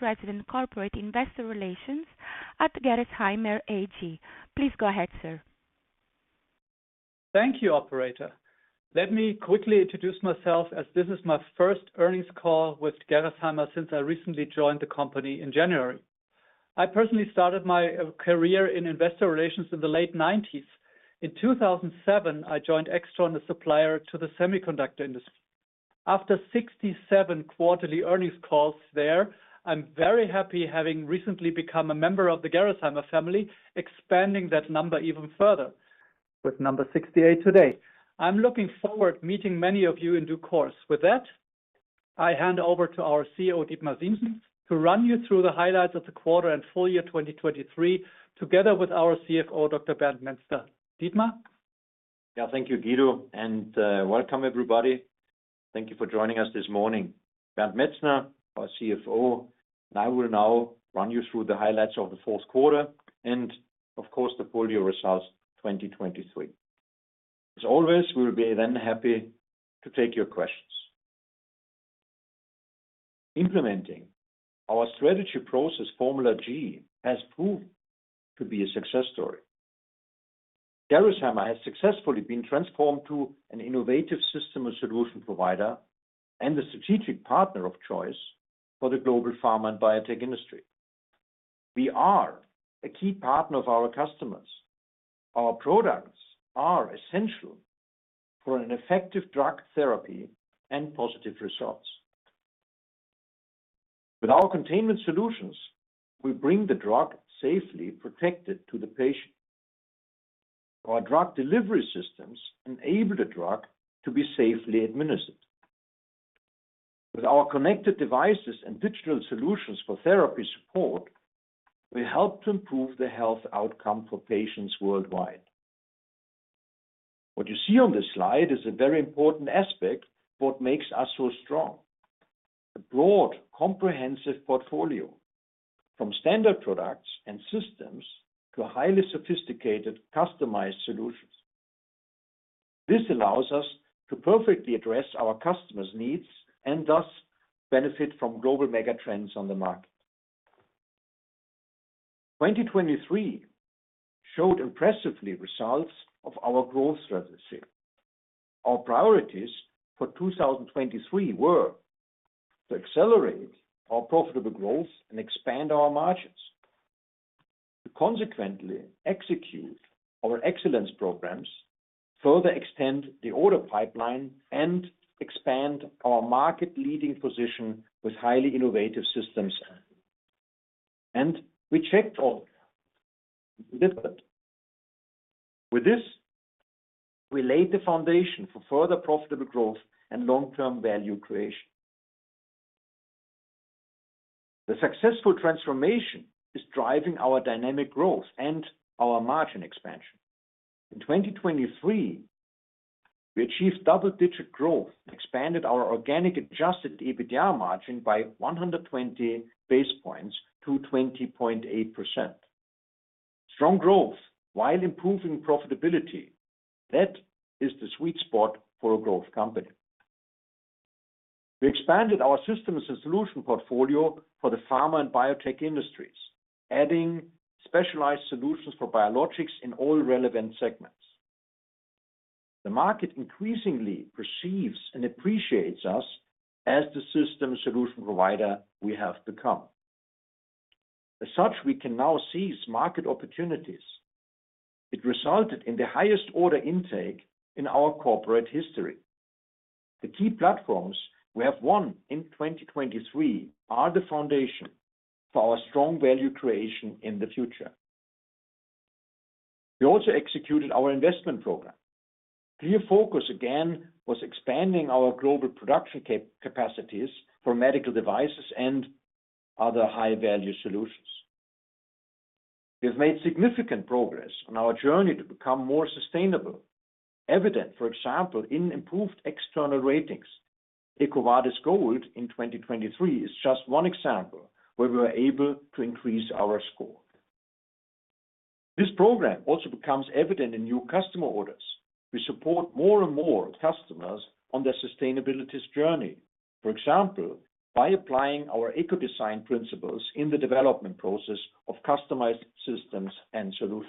President Corporate Investor Relations at Gerresheimer AG. Please go ahead, sir. Thank you, Operator. Let me quickly introduce myself, as this is my first earnings call with Gerresheimer since I recently joined the company in January. I personally started my career in investor relations in the late '90s. In 2007, I joined Aixtron, a supplier to the semiconductor industry. After 67 quarterly earnings calls there, I'm very happy having recently become a member of the Gerresheimer family, expanding that number even further with number 68 today. I'm looking forward to meeting many of you in due course. With that, I hand over to our Chief Executive Officer, Dietmar Siemssen, to run you through the highlights of the quarter and full year 2023 together with our Chief Financial Officer, Dr. Bernd Metzner. Dietmar? Yeah, thank you, Guido, and welcome, everybody. Thank you for joining us this morning. Bernd Metzner, our Chief Financial Officer, and I will now run you through the highlights of the fourth quarter and, of course, the full year results 2023. As always, we will be then happy to take your questions. Implementing our strategy process, Formula G, has proved to be a success story. Gerresheimer has successfully been transformed to an innovative system and solution provider and the strategic partner of choice for the global pharma and biotech industry. We are a key partner of our customers. Our products are essential for an effective drug therapy and positive results. With our containment solutions, we bring the drug safely protected to the patient. Our drug delivery systems enable the drug to be safely administered. With our connected devices and digital solutions for therapy support, we help to improve the health outcome for patients worldwide. What you see on this slide is a very important aspect of what makes us so strong: a broad, comprehensive portfolio from standard products and systems to highly sophisticated, customized solutions. This allows us to perfectly address our customers' needs and thus benefit from global megatrends on the market. 2023 showed impressively results of our growth strategy. Our priorities for 2023 were to accelerate our profitable growth and expand our margins, to consequently execute our excellence programs, further extend the order pipeline, and expand our market-leading position with highly innovative systems. And we checked all of that. With this, we laid the foundation for further profitable growth and long-term value creation. The successful transformation is driving our dynamic growth and our margin expansion. In 2023, we achieved double-digit growth and expanded our organic Adjusted EBITDA margin by 120 basis points to 20.8%. Strong growth while improving profitability. That is the sweet spot for a growth company. We expanded our systems and solution portfolio for the pharma and biotech industries, adding specialized solutions for biologics in all relevant segments. The market increasingly perceives and appreciates us as the system solution provider we have become. As such, we can now seize market opportunities. It resulted in the highest order intake in our corporate history. The key platforms we have won in 2023 are the foundation for our strong value creation in the future. We also executed our investment program. Clear focus, again, was expanding our global production capacities for medical devices and other high-value solutions. We have made significant progress on our journey to become more sustainable, evident, for example, in improved external ratings. EcoVadis Gold in 2023 is just one example where we were able to increase our score. This program also becomes evident in new customer orders. We support more and more customers on their sustainability journey, for example, by applying our EcoDesign principles in the development process of customized systems and solutions.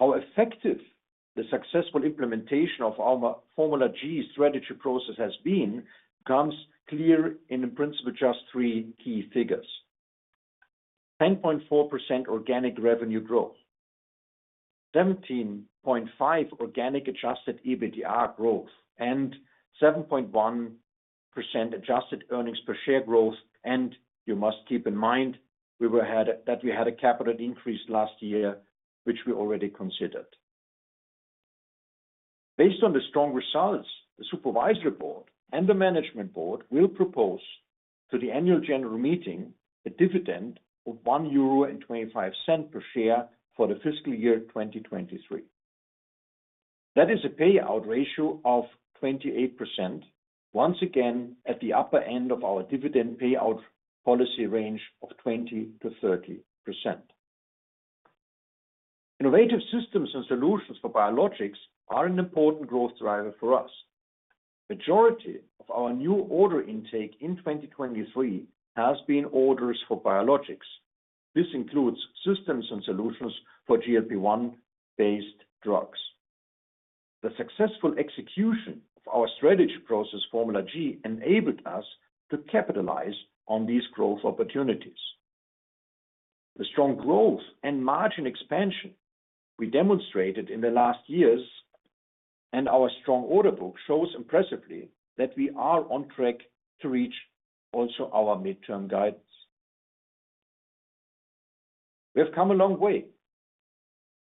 How effective the successful implementation of our Formula G strategy process has been becomes clear in principle, just three key figures: 10.4% organic revenue growth, 17.5% organic adjusted EBITDA growth, and 7.1% adjusted earnings per share growth. You must keep in mind that we had a capital increase last year, which we already considered. Based on the strong results, the supervisory board and the management board will propose to the annual general meeting a dividend of 1.25 euro per share for the fiscal year 2023. That is a payout ratio of 28%, once again at the upper end of our dividend payout policy range of 20% to 30%. Innovative systems and solutions for biologics are an important growth driver for us. The majority of our new order intake in 2023 has been orders for biologics. This includes systems and solutions for GLP-1-based drugs. The successful execution of our strategy process, Formula G, enabled us to capitalize on these growth opportunities. The strong growth and margin expansion we demonstrated in the last years and our strong order book shows impressively that we are on track to reach also our midterm guidance. We have come a long way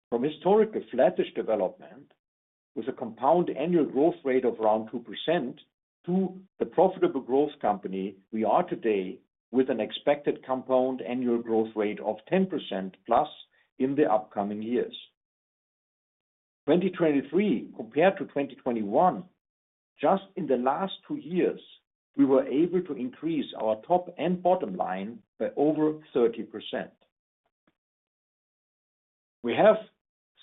from historically flattish development with a compound annual growth rate of around 2% to the profitable growth company we are today with an expected compound annual growth rate of 10%+ in the upcoming years. 2023, compared to 2021, just in the last two years, we were able to increase our top and bottom line by over 30%. We have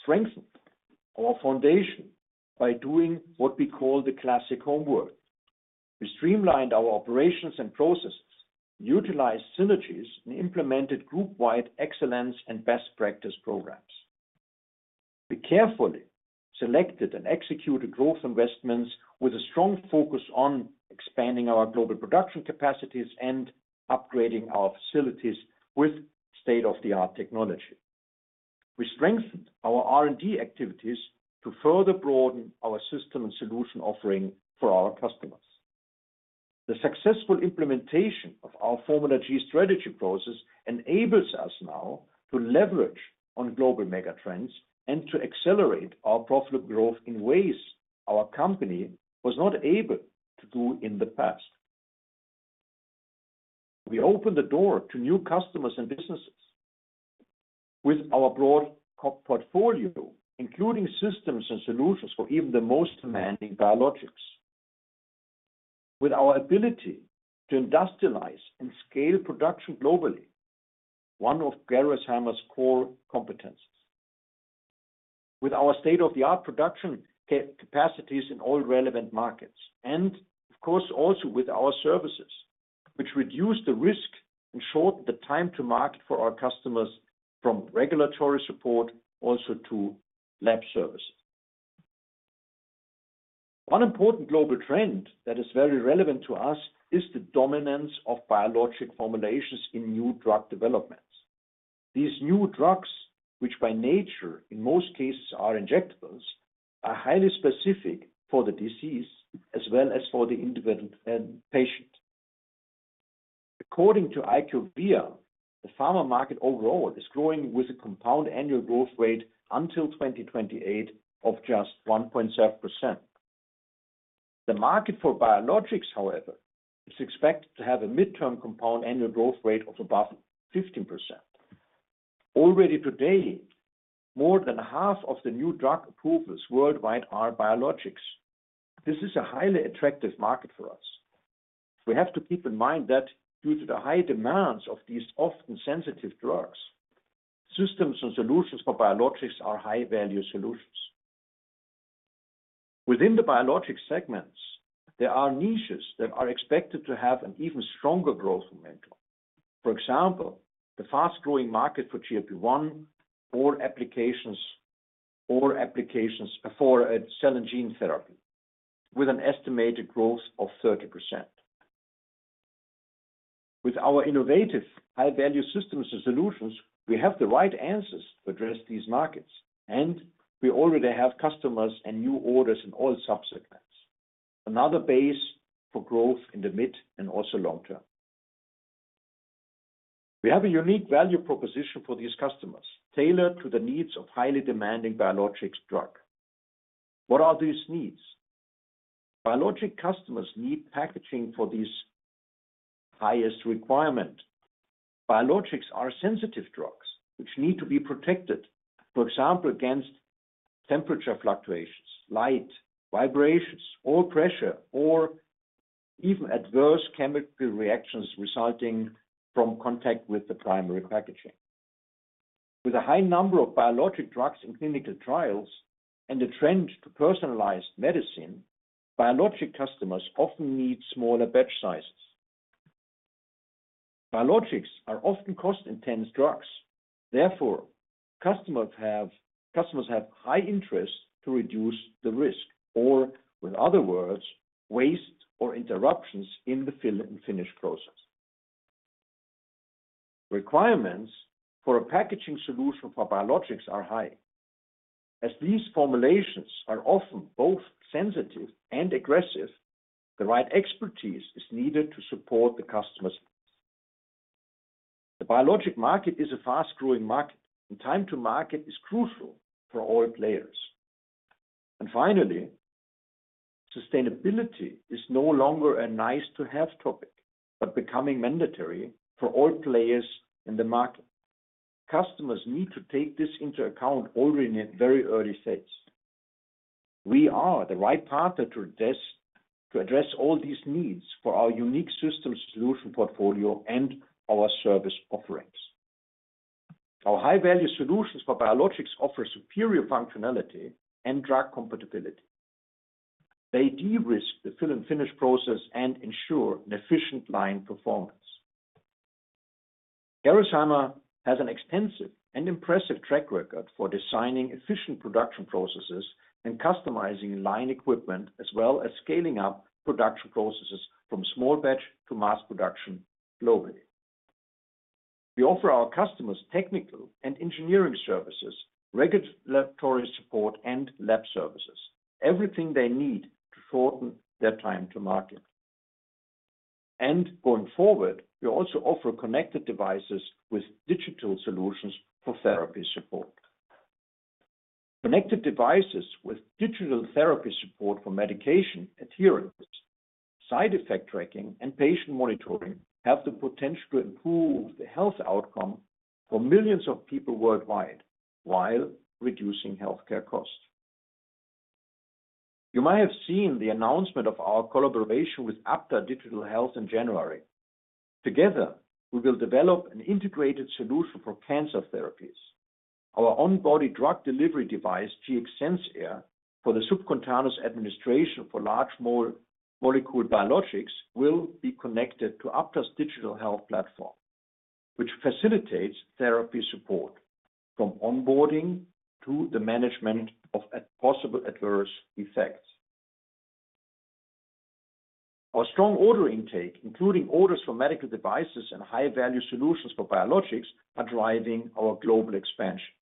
strengthened our foundation by doing what we call the classic homework. We streamlined our operations and processes, utilized synergies, and implemented group-wide excellence and best practice programs. We carefully selected and executed growth investments with a strong focus on expanding our global production capacities and upgrading our facilities with state-of-the-art technology. We strengthened our R&D activities to further broaden our system and solution offering for our customers. The successful implementation of our Formula G strategy process enables us now to leverage on global megatrends and to accelerate our profitable growth in ways our company was not able to do in the past. We opened the door to new customers and businesses with our broad portfolio, including systems and solutions for even the most demanding biologics, with our ability to industrialize and scale production globally, one of Gerresheimer's core competencies, with our state-of-the-art production capacities in all relevant markets, and, of course, also with our services, which reduce the risk and shorten the time to market for our customers from regulatory support also to lab services. One important global trend that is very relevant to us is the dominance of biologic formulations in new drug developments. These new drugs, which by nature, in most cases, are injectables, are highly specific for the disease as well as for the individual patient. According to IQVIA, the pharma market overall is growing with a compound annual growth rate until 2028 of just 1.7%. The market for biologics, however, is expected to have a midterm compound annual growth rate of above 15%. Already today, more than half of the new drug approvals worldwide are biologics. This is a highly attractive market for us. We have to keep in mind that due to the high demands of these often sensitive drugs, systems and solutions for biologics are high-value solutions. Within the biologic segments, there are niches that are expected to have an even stronger growth momentum. For example, the fast-growing market for GLP-1 or applications for cell and gene therapy with an estimated growth of 30%. With our innovative, high-value systems and solutions, we have the right answers to address these markets. We already have customers and new orders in all subsegments, another base for growth in the mid and also long term. We have a unique value proposition for these customers tailored to the needs of highly demanding biologics drugs. What are these needs? Biologic customers need packaging for these highest requirements. Biologics are sensitive drugs, which need to be protected, for example, against temperature fluctuations, light, vibrations, or pressure, or even adverse chemical reactions resulting from contact with the primary packaging. With a high number of biologic drugs in clinical trials and a trend to personalized medicine, biologic customers often need smaller batch sizes. Biologics are often cost-intense drugs. Therefore, customers have high interest to reduce the risk or, with other words, waste or interruptions in the fill and finish process. Requirements for a packaging solution for biologics are high. As these formulations are often both sensitive and aggressive, the right expertise is needed to support the customer's needs. The biologics market is a fast-growing market, and time to market is crucial for all players. And finally, sustainability is no longer a nice-to-have topic but becoming mandatory for all players in the market. Customers need to take this into account already in a very early phase. We are the right partner to address all these needs for our unique system solution portfolio and our service offerings. Our high-value solutions for biologics offer superior functionality and drug compatibility. They de-risk the fill and finish process and ensure an efficient line performance. Gerresheimer has an extensive and impressive track record for designing efficient production processes and customizing line equipment as well as scaling up production processes from small batch to mass production globally. We offer our customers technical and engineering services, regulatory support, and lab services, everything they need to shorten their time to market. Going forward, we also offer connected devices with digital solutions for therapy support. Connected devices with digital therapy support for medication adherence, side effect tracking, and patient monitoring have the potential to improve the health outcome for millions of people worldwide while reducing healthcare costs. You might have seen the announcement of our collaboration with Aptar Digital Health in January. Together, we will develop an integrated solution for cancer therapies. Our on-body drug delivery device, Gx SensAir, for the subcutaneous administration for large molecule biologics will be connected to Aptar's digital health platform, which facilitates therapy support from onboarding to the management of possible adverse effects. Our strong order intake, including orders for medical devices and high-value solutions for biologics, are driving our global expansion.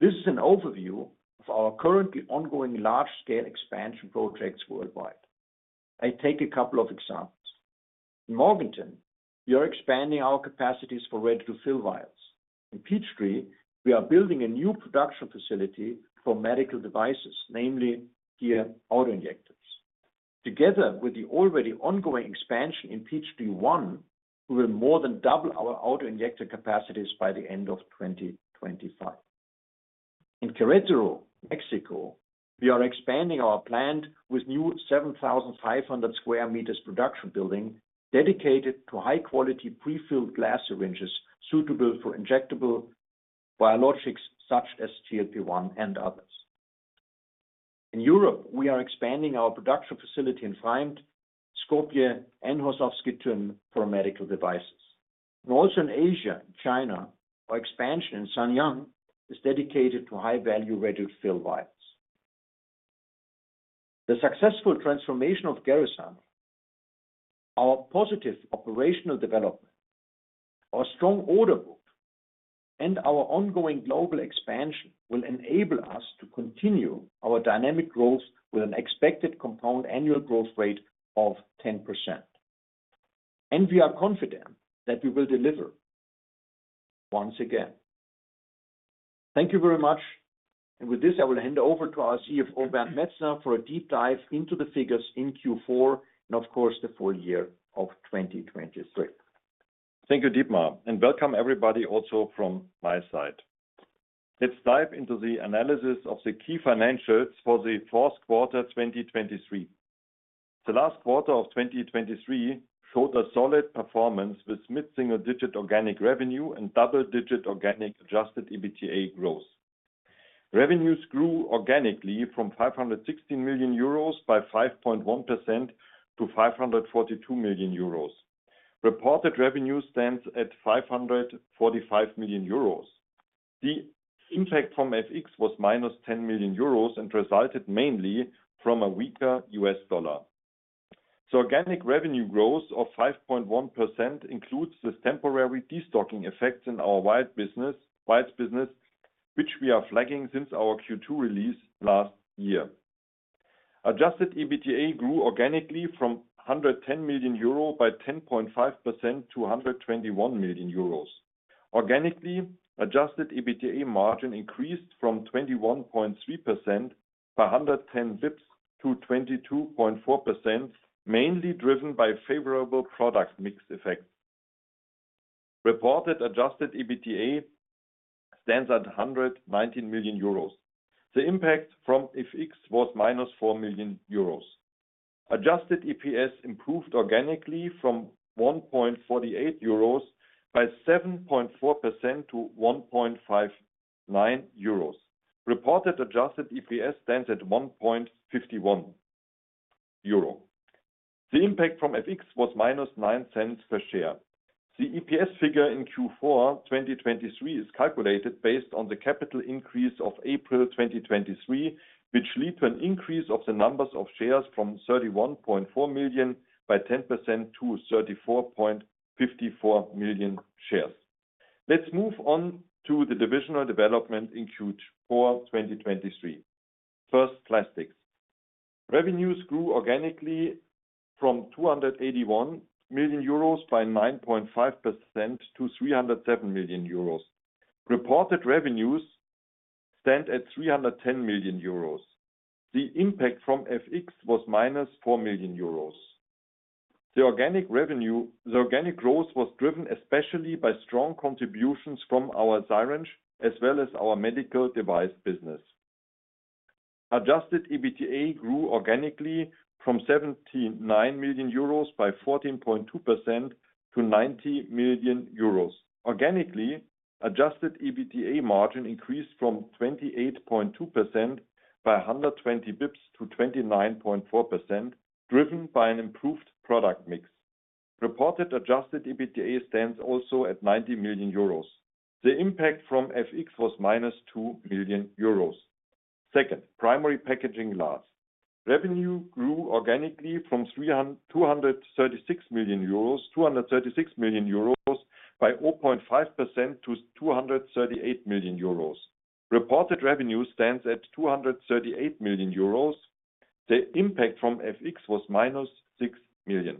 This is an overview of our currently ongoing large-scale expansion projects worldwide. I take a couple of examples. In Morganton, we are expanding our capacities for ready-to-fill vials. In Peachtree, we are building a new production facility for medical devices, namely here autoinjectors. Together with the already ongoing expansion in Peachtree One, we will more than double our autoinjector capacities by the end of 2025. In Querétaro, Mexico, we are expanding our plant with a new 7,500 square meters production building dedicated to high-quality prefilled glass syringes suitable for injectable biologics such as GLP-1 and others. In Europe, we are expanding our production facility in Pfreimd, Skopje, and Horsovsky Tyn for medical devices. And also in Asia and China, our expansion in Zhenjiang is dedicated to high-value ready-to-fill vials. The successful transformation of Gerresheimer, our positive operational development, our strong order book, and our ongoing global expansion will enable us to continue our dynamic growth with an expected compound annual growth rate of 10%. We are confident that we will deliver once again. Thank you very much. With this, I will hand over to our CFO, Bernd Metzner, for a deep dive into the figures in Q4 and, of course, the full year of 2023. Thank you, Dietmar. Welcome, everybody, also from my side. Let's dive into the analysis of the key financials for the fourth quarter 2023. The last quarter of 2023 showed a solid performance with mid-single-digit organic revenue and double-digit organic adjusted EBITDA growth. Revenues grew organically from 516 million euros by 5.1% to 542 million euros. Reported revenue stands at 545 million euros. The impact from FX was minus 10 million euros and resulted mainly from a weaker US dollar. So organic revenue growth of 5.1% includes this temporary destocking effect in our vial business, which we are flagging since our Q2 release last year. Adjusted EBITDA grew organically from 110 million euro by 10.5% to 121 million euros. Organically, adjusted EBITDA margin increased from 21.3% by 110 bps to 22.4%, mainly driven by favorable product mix effects. Reported adjusted EBITDA stands at 119 million euros. The impact from FX was minus 4 million euros. Adjusted EPS improved organically from 1.48 euros by 7.4% to 1.59 euros. Reported adjusted EPS stands at 1.51 euro. The impact from FX was minus 0.09 per share. The EPS figure in Q4 2023 is calculated based on the capital increase of April 2023, which led to an increase of the number of shares from 31.4 million by 10% to 34.54 million shares. Let's move on to the divisional development in Q4 2023. First, Plastics. Revenues grew organically from 281 million euros by 9.5% to 307 million euros. Reported revenues stand at 310 million euros. The impact from FX was minus 4 million euros. The organic growth was driven especially by strong contributions from our syringe as well as our medical device business. Adjusted EBITDA grew organically from 79 million euros by 14.2% to 90 million euros. Organically, adjusted EBITDA margin increased from 28.2% by 120 bps to 29.4%, driven by an improved product mix. Reported adjusted EBITDA stands also at 90 million euros. The impact from FX was minus 2 million euros. Second, primary packaging glass. Revenue grew organically from 236 million euros by 0.5% to 238 million euros. Reported revenue stands at 238 million euros. The impact from FX was minus 6 million.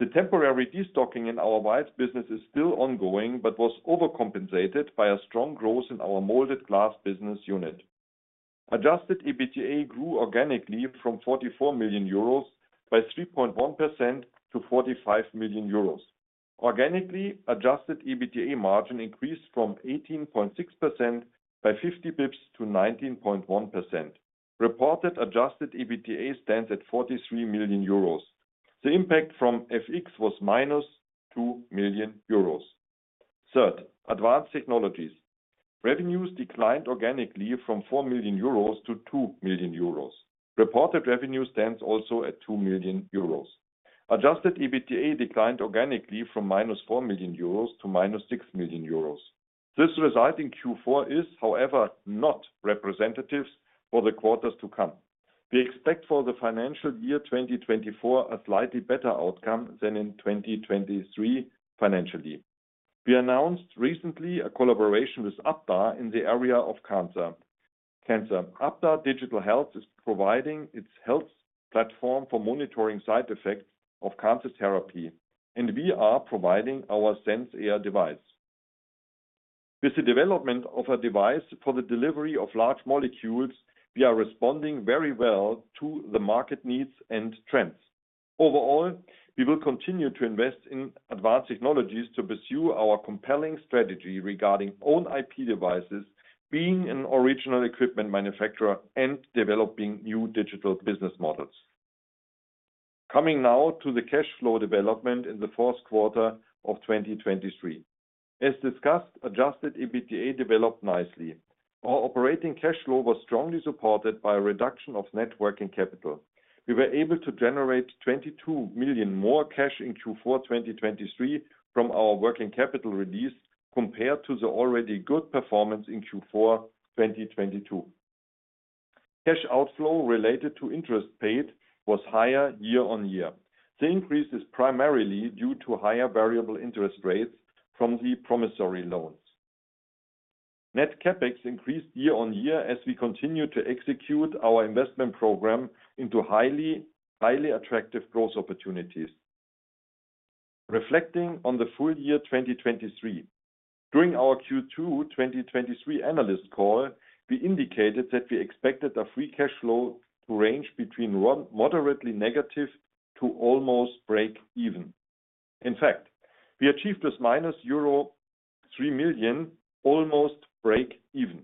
The temporary destocking in our vial business is still ongoing but was overcompensated by a strong growth in our molded glass business unit. Adjusted EBITDA grew organically from 44 million euros by 3.1% to 45 million euros. Organically, adjusted EBITDA margin increased from 18.6% by 50 bps to 19.1%. Reported adjusted EBITDA stands at 43 million euros. The impact from FX was -2 million euros. Third, advanced technologies. Revenues declined organically from 4 million euros to 2 million euros. Reported revenue stands also at 2 million euros. Adjusted EBITDA declined organically from -4 million euros to -6 million euros. This result in Q4 is, however, not representative for the quarters to come. We expect for the financial year 2024 a slightly better outcome than in 2023 financially. We announced recently a collaboration with Aptar in the area of cancer. Aptar Digital Health is providing its health platform for monitoring side effects of cancer therapy. And we are providing our SensAir device. With the development of a device for the delivery of large molecules, we are responding very well to the market needs and trends. Overall, we will continue to invest in advanced technologies to pursue our compelling strategy regarding our own IP devices, being an original equipment manufacturer, and developing new digital business models. Coming now to the cash flow development in the fourth quarter of 2023. As discussed, Adjusted EBITDA developed nicely. Our operating cash flow was strongly supported by a reduction of net working capital. We were able to generate 22 million more cash in Q4 2023 from our working capital release compared to the already good performance in Q4 2022. Cash outflow related to interest paid was higher year-on-year. The increase is primarily due to higher variable interest rates from the promissory loans. Net CapEx increased year-on-year as we continue to execute our investment program into highly attractive growth opportunities. Reflecting on the full year 2023. During our Q2 2023 analyst call, we indicated that we expected a free cash flow to range between moderately negative to almost break even. In fact, we achieved this minus euro 3 million almost break even.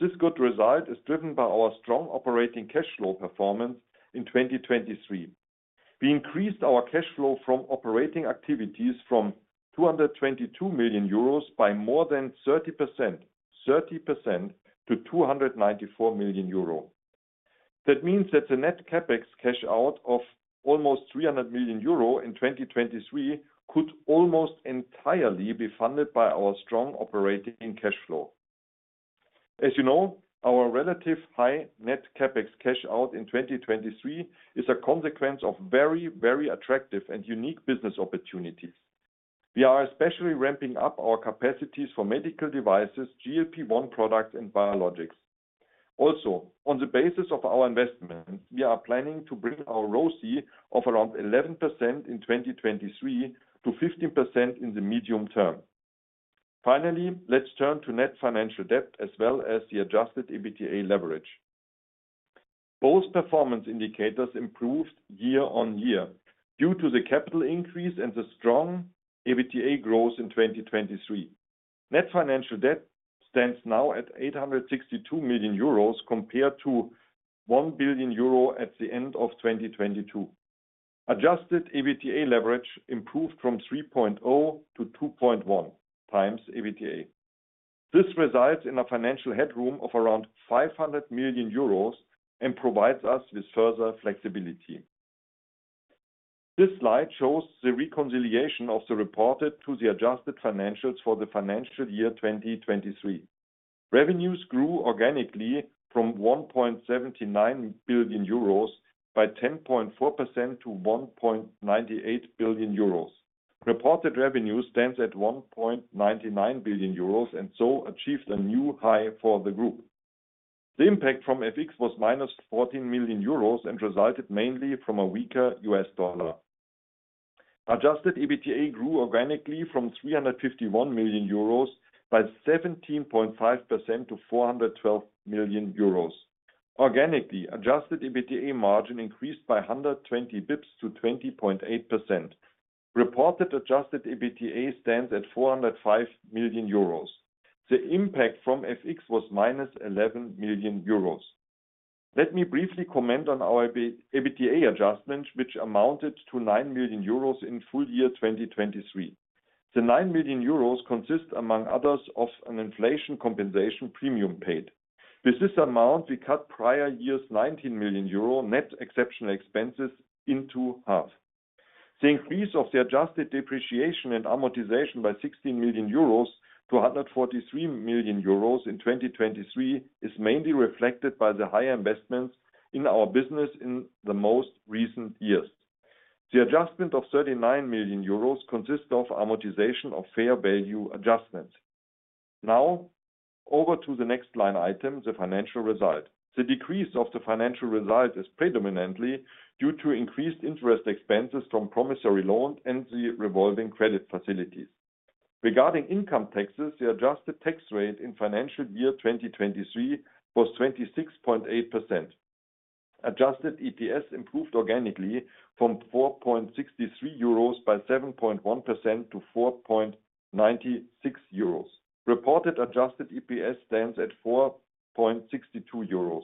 This good result is driven by our strong operating cash flow performance in 2023. We increased our cash flow from operating activities from 222 million euros by more than 30% to 294 million euro. That means that the net Capex cash out of almost 300 million euro in 2023 could almost entirely be funded by our strong operating cash flow. As you know, our relatively high net Capex cash out in 2023 is a consequence of very, very attractive and unique business opportunities. We are especially ramping up our capacities for medical devices, GLP-1 products, and biologics. Also, on the basis of our investments, we are planning to bring our ROCE of around 11% in 2023 to 15% in the medium term. Finally, let's turn to net financial debt as well as the adjusted EBITDA leverage. Both performance indicators improved year on year due to the capital increase and the strong EBITDA growth in 2023. Net financial debt stands now at 862 million euros compared to 1 billion euro at the end of 2022. Adjusted EBITDA leverage improved from 3.0 to 2.1 times EBITDA. This results in a financial headroom of around 500 million euros and provides us with further flexibility. This slide shows the reconciliation of the reported to the adjusted financials for the financial year 2023. Revenues grew organically from 1.79 billion euros by 10.4% to 1.98 billion euros. Reported revenue stands at 1.99 billion euros and so achieved a new high for the group. The impact from FX was minus 14 million euros and resulted mainly from a weaker US dollar. Adjusted EBITDA grew organically from 351 million euros by 17.5% to 412 million euros. Organically, adjusted EBITDA margin increased by 120 basis points to 20.8%. Reported adjusted EBITDA stands at 405 million euros. The impact from FX was minus 11 million euros. Let me briefly comment on our EBITDA adjustment, which amounted to 9 million euros in full year 2023. The 9 million euros consists, among others, of an inflation compensation premium paid. With this amount, we cut prior year's 19 million euro net exceptional expenses into half. The increase of the adjusted depreciation and amortization by 16 million euros to 143 million euros in 2023 is mainly reflected by the higher investments in our business in the most recent years. The adjustment of 39 million euros consists of amortization of fair value adjustments. Now, over to the next line item, the financial result. The decrease of the financial result is predominantly due to increased interest expenses from promissory loans and the revolving credit facilities. Regarding income taxes, the adjusted tax rate in financial year 2023 was 26.8%. Adjusted EPS improved organically from 4.63 euros by 7.1% to 4.96 euros. Reported adjusted EPS stands at 4.62 euros.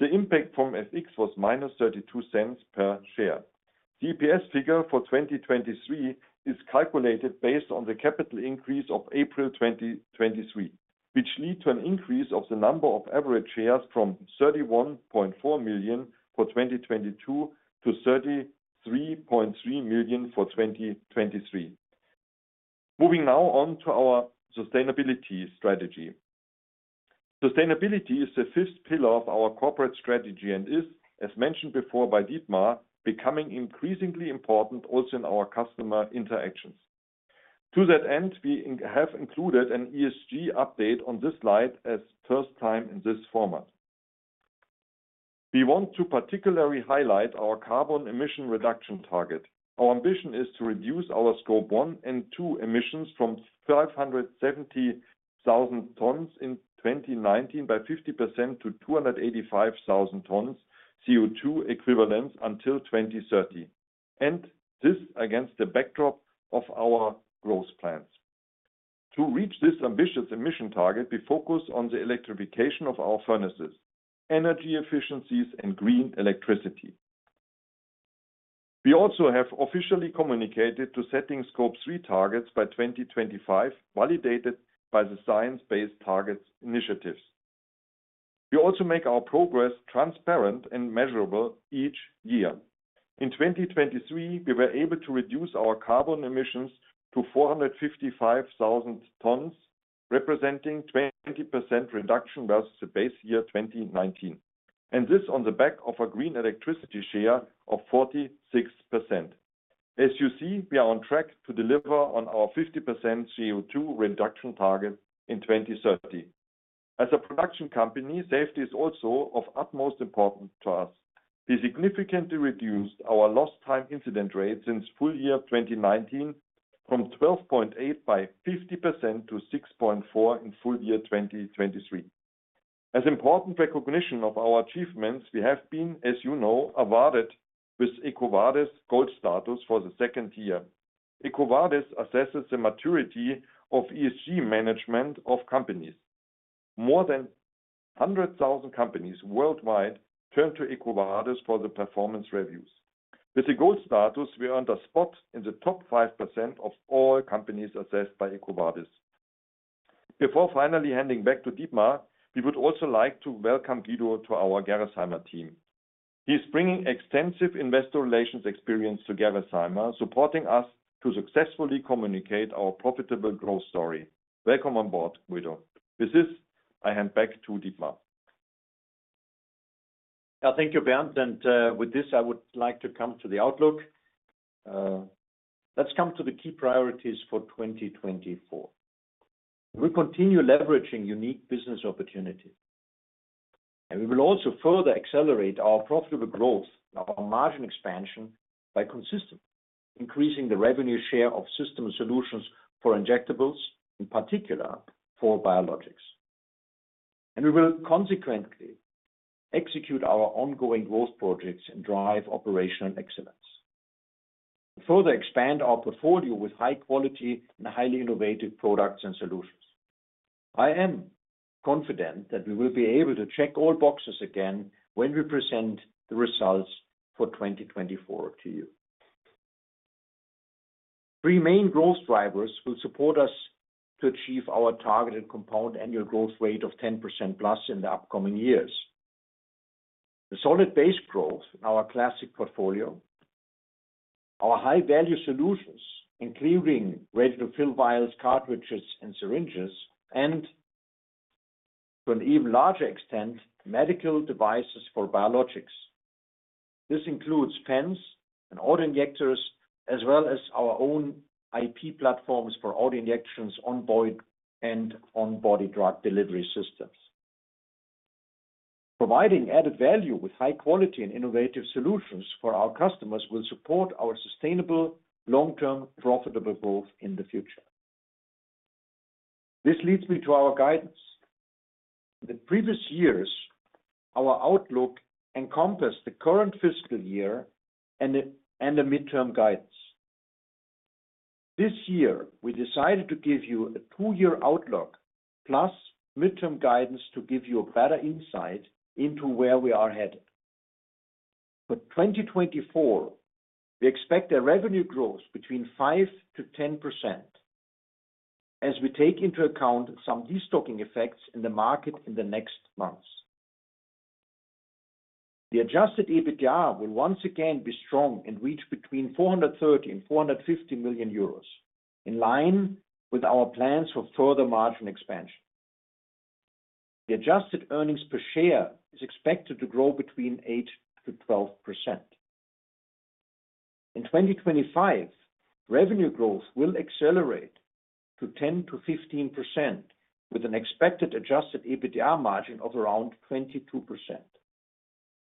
The impact from FX was minus 0.0032 per share. The EPS figure for 2023 is calculated based on the capital increase of April 2023, which led to an increase of the number of average shares from 31.4 million for 2022 to 33.3 million for 2023. Moving now on to our sustainability strategy. Sustainability is the fifth pillar of our corporate strategy and is, as mentioned before by Dietmar, becoming increasingly important also in our customer interactions. To that end, we have included an ESG update on this slide as first time in this format. We want to particularly highlight our carbon emission reduction target. Our ambition is to reduce our Scope 1 and 2 emissions from 570,000 tons in 2019 by 50% to 285,000 tons CO2 equivalents until 2030. And this against the backdrop of our growth plans. To reach this ambitious emission target, we focus on the electrification of our furnaces, energy efficiencies, and green electricity. We also have officially committed to setting Scope 3 targets by 2025, validated by the Science Based Targets initiative. We also make our progress transparent and measurable each year. In 2023, we were able to reduce our carbon emissions to 455,000 tons, representing a 20% reduction versus the base year 2019. And this on the back of a green electricity share of 46%. As you see, we are on track to deliver on our 50% CO2 reduction target in 2030. As a production company, safety is also of utmost importance to us. We significantly reduced our lost time incident rate since full year 2019 from 12.8 by 50% to 6.4 in full year 2023. As important recognition of our achievements, we have been, as you know, awarded with EcoVadis Gold status for the second year. EcoVadis assesses the maturity of ESG management of companies. More than 100,000 companies worldwide turn to EcoVadis for the performance reviews. With the Gold status, we earned a spot in the top 5% of all companies assessed by EcoVadis. Before finally handing back to Dietmar, we would also like to welcome Guido to our Gerresheimer team. He is bringing extensive investor relations experience to Gerresheimer, supporting us to successfully communicate our profitable growth story. Welcome on board, Guido. With this, I hand back to Dietmar. Thank you, Bernd. With this, I would like to come to the outlook. Let's come to the key priorities for 2024. We continue leveraging unique business opportunities. We will also further accelerate our profitable growth, our margin expansion by consistently increasing the revenue share of system solutions for injectables, in particular for biologics. We will consequently execute our ongoing growth projects and drive operational excellence. Further expand our portfolio with high-quality and highly innovative products and solutions. I am confident that we will be able to check all boxes again when we present the results for 2024 to you. Three main growth drivers will support us to achieve our targeted compound annual growth rate of 10%+ in the upcoming years. The solid base growth in our classic portfolio. Our high-value solutions, including ready-to-fill vials, cartridges, and syringes. To an even larger extent, medical devices for biologics. This includes pens and autoinjectors, as well as our own IP platforms for autoinjection, on-body, and on-body drug delivery systems. Providing added value with high-quality and innovative solutions for our customers will support our sustainable, long-term, profitable growth in the future. This leads me to our guidance. In the previous years, our outlook encompassed the current fiscal year and the midterm guidance. This year, we decided to give you a two-year outlook plus midterm guidance to give you a better insight into where we are headed. For 2024, we expect a revenue growth between 5%-10% as we take into account some destocking effects in the market in the next months. The Adjusted EBITDA will once again be strong and reach between 430 million and 450 million euros, in line with our plans for further margin expansion. The adjusted earnings per share is expected to grow between 8%-12%. In 2025, revenue growth will accelerate to 10%-15% with an expected adjusted EBITDA margin of around 22%.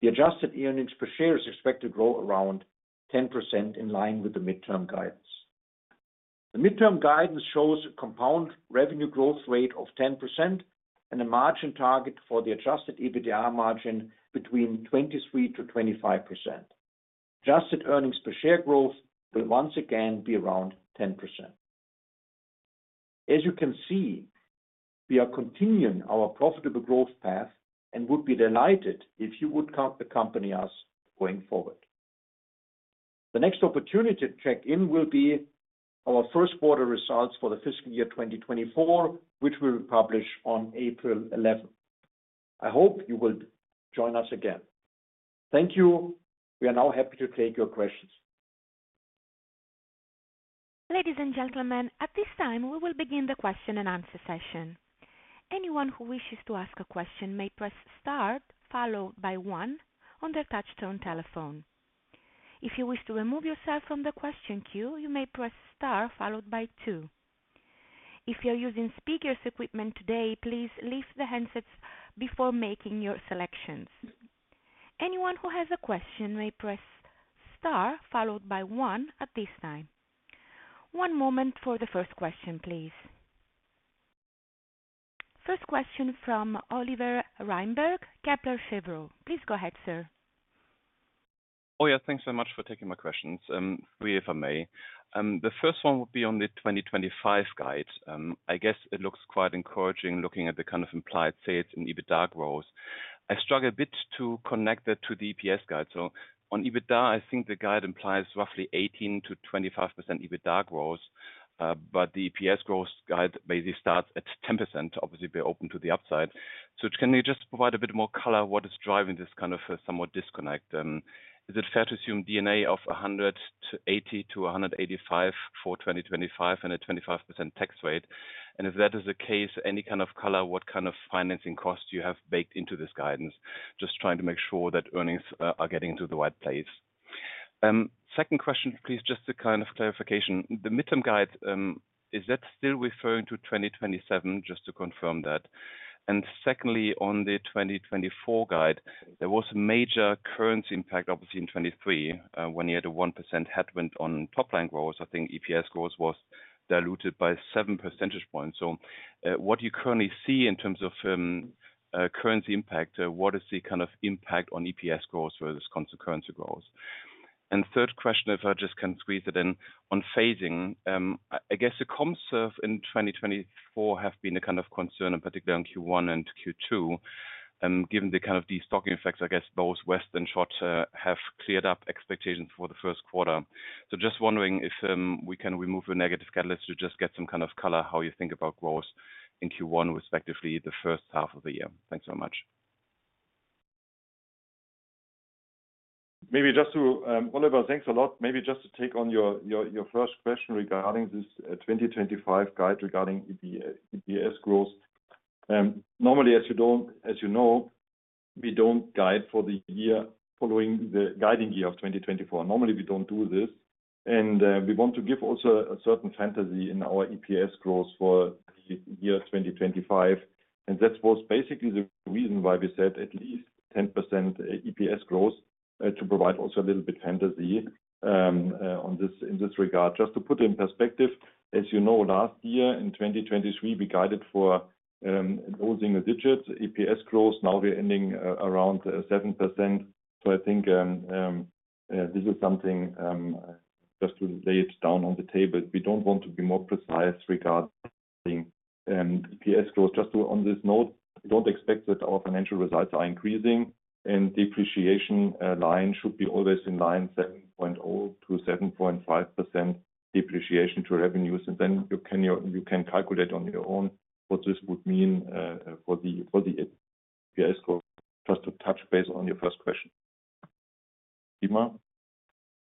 The adjusted earnings per share is expected to grow around 10% in line with the midterm guidance. The midterm guidance shows a compound revenue growth rate of 10% and a margin target for the adjusted EBITDA margin between 23%-25%. Adjusted earnings per share growth will once again be around 10%. As you can see, we are continuing our profitable growth path and would be delighted if you would accompany us going forward. The next opportunity to check in will be our first quarter results for the fiscal year 2024, which we will publish on April 11. I hope you will join us again. Thank you. We are now happy to take your questions. Ladies and gentlemen, at this time, we will begin the question and answer session. Anyone who wishes to ask a question may press "star," followed by one on their touch-tone telephone. If you wish to remove yourself from the question queue, you may press "star," followed by two If you're using speaker equipment today, please lift the handset before making your selections. Anyone who has a question may press "star," followed by one at this time. One moment for the first question, please. First question from Oliver Reinberg, Kepler Cheuvreux. Please go ahead, sir. Oh, yeah. Thanks so much for taking my questions, if I may. The first one would be on the 2025 guide. I guess it looks quite encouraging looking at the kind of implied sales and EBITDA growth. I struggle a bit to connect that to the EPS guide. On EBITDA, I think the guide implies roughly 18% to 25% EBITDA growth. The EPS growth guide basically starts at 10% to obviously be open to the upside. Can you just provide a bit more color what is driving this kind of somewhat disconnect? Is it fair to assume D&A of 180%-185% for 2025 and a 25% tax rate? And if that is the case, any kind of color, what kind of financing costs do you have baked into this guidance? Just trying to make sure that earnings are getting to the right place. Second question, please, just a kind of clarification. The midterm guide, is that still referring to 2027? Just to confirm that. And secondly, on the 2024 guide, there was a major currency impact, obviously, in 2023 when you had a 1% headwind on top-line growth. I think EPS growth was diluted by 7 percentage points. So what do you currently see in terms of currency impact? What is the kind of impact on EPS growth versus currency growth? And 3rd question, if I just can squeeze it in, on phasing. I guess the Capex surge in 2024 has been a kind of concern, in particular in Q1 and Q2. Given the kind of destocking effects, I guess both West and Schott have cleared up expectations for the first quarter. So just wondering if we can remove a negative catalyst to just get some kind of color how you think about growth in Q1, respectively, the first half of the year. Thanks so much. Maybe just to Oliver, thanks a lot. Maybe just to take on your first question regarding this 2025 guide regarding EPS growth. Normally, as you know, we don't guide for the year following the guiding year of 2024. Normally, we don't do this. We want to give also a certain flexibility in our EPS growth for the year 2025. That was basically the reason why we said at least 10% EPS growth, to provide also a little bit flexibility in this regard. Just to put it in perspective, as you know, last year in 2023, we guided for low single-digit EPS growth. Now we're ending around 7%. I think this is something just to lay it down on the table. We don't want to be more precise regarding EPS growth. Just on this note, we don't expect that our financial results are increasing. Depreciation line should be always in line 7.0% to 7.5% depreciation to revenues. And then you can calculate on your own what this would mean for the EPS growth, just to touch base on your first question. Dietmar?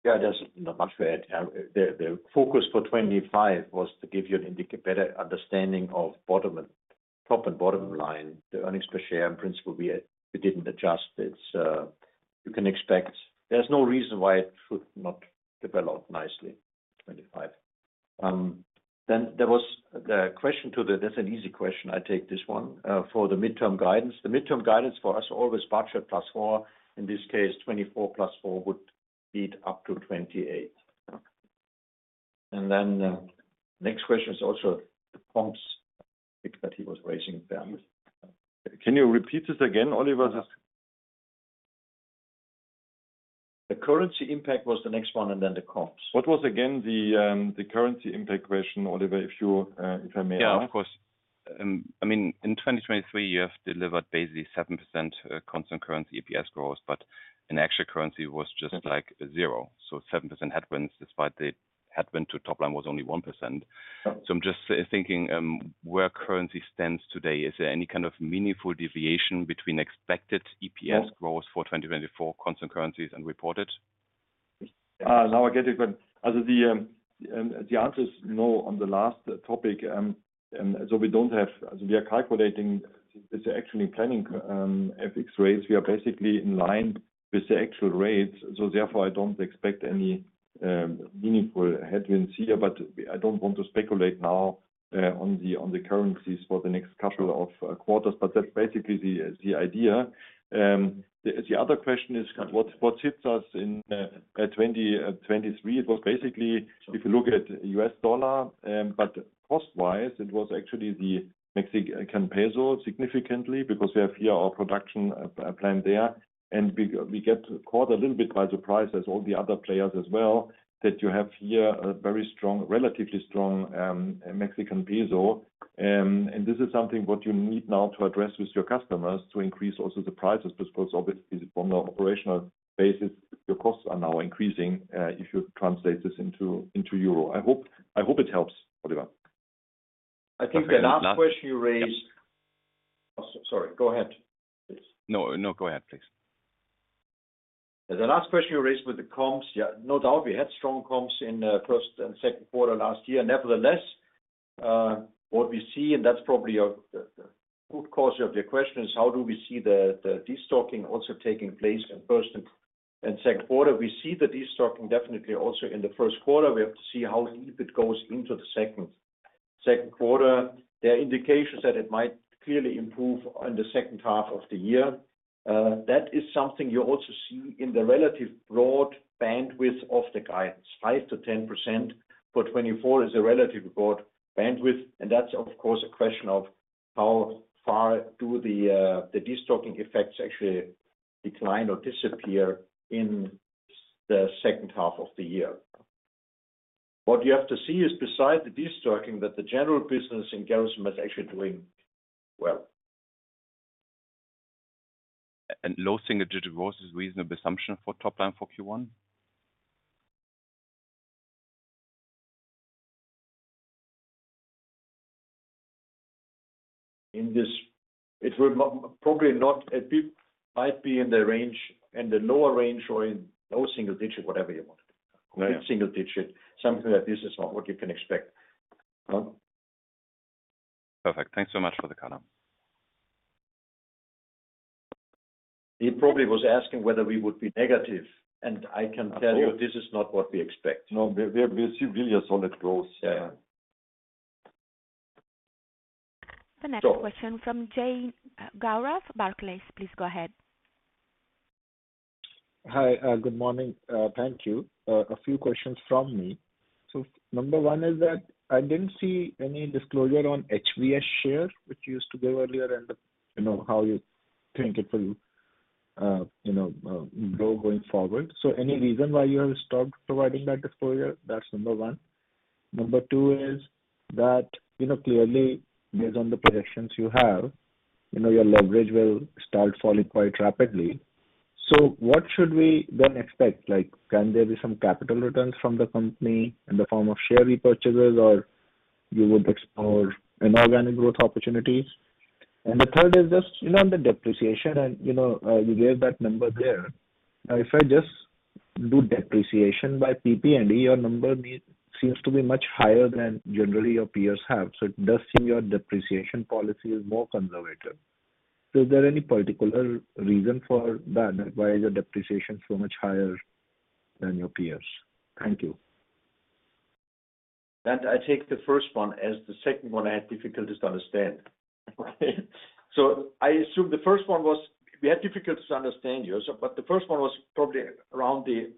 Yeah, that's not much for it. The focus for 2025 was to give you a better understanding of top and bottom line, the earnings per share. In principle, we didn't adjust it. You can expect there's no reason why it should not develop nicely in 2025. Then there was the question to the that's an easy question. I take this one. For the midterm guidance, the midterm guidance for us always budget plus four. In this case, 2024 plus 4 would lead up to 2028. And then the next question is also the comms. I think that he was raising it there. Can you repeat this again, Oliver? The currency impact was the next one, and then the comms. What was, again, the currency impact question, Oliver, if I may ask? Yeah, of course. I mean, in 2023, you have delivered basically 7% constant currency EPS growth. But in actual currency, it was just like zero. So 7% headwinds, despite the headwind to top line was only 1%. So I'm just thinking, where currency stands today, is there any kind of meaningful deviation between expected EPS growth for 2024 constant currencies and reported? Now I get it. But the answer is no on the last topic. So we don't have so we are calculating this is actually planning FX rates. We are basically in line with the actual rates. So therefore, I don't expect any meaningful headwinds here. But I don't want to speculate now on the currencies for the next couple of quarters. But that's basically the idea. The other question is, what hits us in 2023? It was basically, if you look at U.S. dollar. But cost-wise, it was actually the Mexican peso significantly because we have here our production plant there. And we get caught a little bit by surprise, as all the other players as well, that you have here a very strong, relatively strong Mexican peso. And this is something what you need now to address with your customers to increase also the prices because, obviously, from the operational basis, your costs are now increasing if you translate this into euro. I hope it helps, Oliver. I think the last question you raised sorry, go ahead, please. No, no, go ahead, please. The last question you raised with the comps, yeah, no doubt, we had strong comps in the first and second quarter last year. Nevertheless, what we see and that's probably the root cause of your question is, how do we see the destocking also taking place in first and second quarter? We see the destocking definitely also in the first quarter. We have to see how deep it goes into the second quarter. There are indications that it might clearly improve in the second half of the year. That is something you also see in the relatively broad bandwidth of the guidance, 5% to 10%. But 2024 is a relatively broad bandwidth. And that's, of course, a question of how far do the destocking effects actually decline or disappear in the second half of the year? What you have to see is, beside the destocking, that the general business in Gerresheimer is actually doing well. And losing a digit of growth is a reasonable assumption for top line for Q1? It will probably not might be in the lower range or in no single digit, whatever you want to do. Single digit, something that this is not what you can expect. Perfect. Thanks so much for the column. He probably was asking whether we would be negative. And I can tell you, this is not what we expect. No, we see really a solid growth. The next question from Gaurav Jain, Barclays. Please go ahead. Hi. Good morning. Thank you. A few questions from me. So number one is that I didn't see any disclosure on HVS share, which you used to give earlier, and how you think it will grow going forward. So any reason why you have stopped providing that disclosure, that's number one. Number two is that clearly, based on the projections you have, your leverage will start falling quite rapidly. So what should we then expect? Can there be some capital returns from the company in the form of share repurchases, or you would explore inorganic growth opportunities? The third is just on the depreciation. You gave that number there. Now, if I just do depreciation by PP&E, your number seems to be much higher than generally your peers have. It does seem your depreciation policy is more conservative. Is there any particular reason for that? Why is your depreciation so much higher than your peers? Thank you. I take the first one as the second one I had difficulties to understand. I assume the first one was we had difficulties to understand you. The first one was probably around the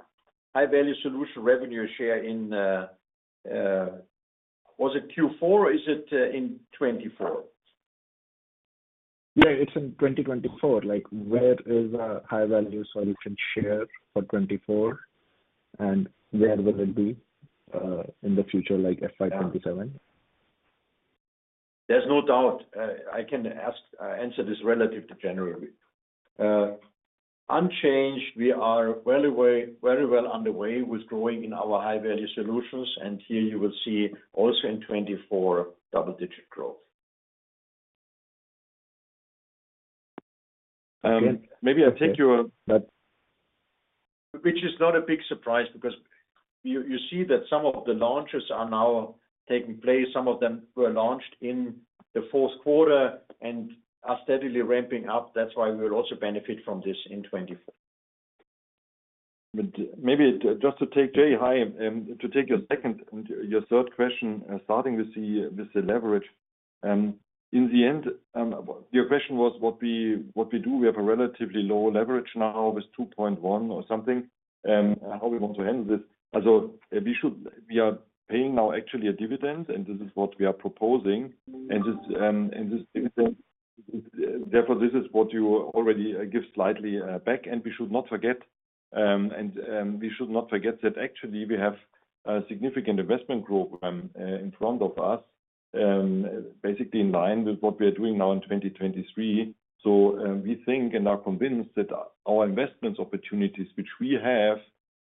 high-value solution revenue share in was it Q4 or is it in 2024? Yeah, it's in 2024. Where is a high-value solution share for 2024? And where will it be in the future, like FY27? There's no doubt. I can answer this relative to January. Unchanged, we are very well underway with growing in our high-value solutions. And here you will see also in 2024 double-digit growth. Maybe I take your. Which is not a big surprise because you see that some of the launches are now taking place. Some of them were launched in the fourth quarter and are steadily ramping up. That's why we will also benefit from this in 2024. Maybe just to take Jay, hi, to take your second and your third question, starting with the leverage. In the end, your question was what we do. We have a relatively low leverage now with 2.1 or something, how we want to handle this. So we are paying now actually a dividend. And this is what we are proposing. And therefore, this is what you already give slightly back. And we should not forget and we should not forget that actually, we have a significant investment program in front of us, basically in line with what we are doing now in 2023. So we think and are convinced that our investments opportunities, which we have,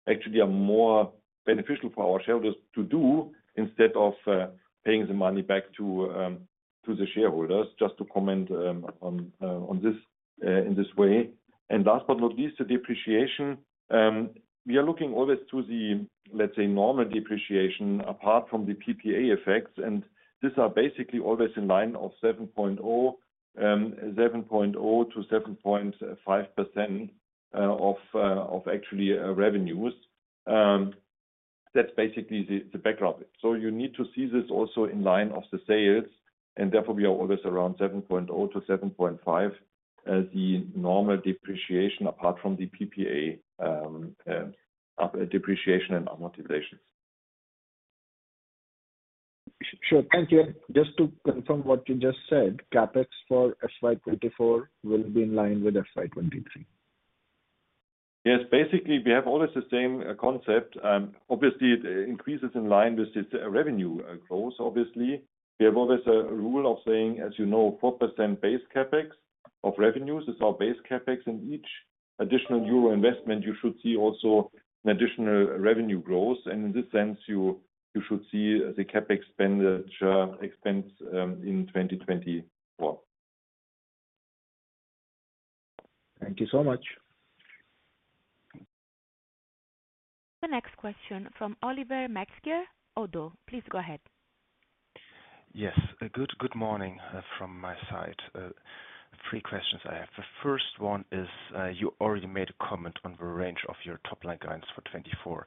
actually are more beneficial for our shareholders to do instead of paying the money back to the shareholders, just to comment on this in this way. And last but not least, the depreciation. We are looking always to the, let's say, normal depreciation apart from the PPA effects. And these are basically always in line of 7.0%-7.5% of actually revenues. That's basically the background. So you need to see this also in line of the sales. And therefore, we are always around 7.0% to 7.5% as the normal depreciation apart from the PPA depreciation and amortizations. Sure. Thank you. Just to confirm what you just said, CapEx for FY 2024 will be in line with FY 2023? Yes. Basically, we have always the same concept. Obviously, it increases in line with this revenue growth, obviously. We have always a rule of saying, as you know, 4% base CapEx of revenues is our base CapEx. And each additional euro investment, you should see also an additional revenue growth. And in this sense, you should see the CapEx expense in 2024. Thank you so much. The next question from. Please go ahead. Yes. Good morning from my side. Three questions I have. The first one is, you already made a comment on the range of your top line guidance for 2024.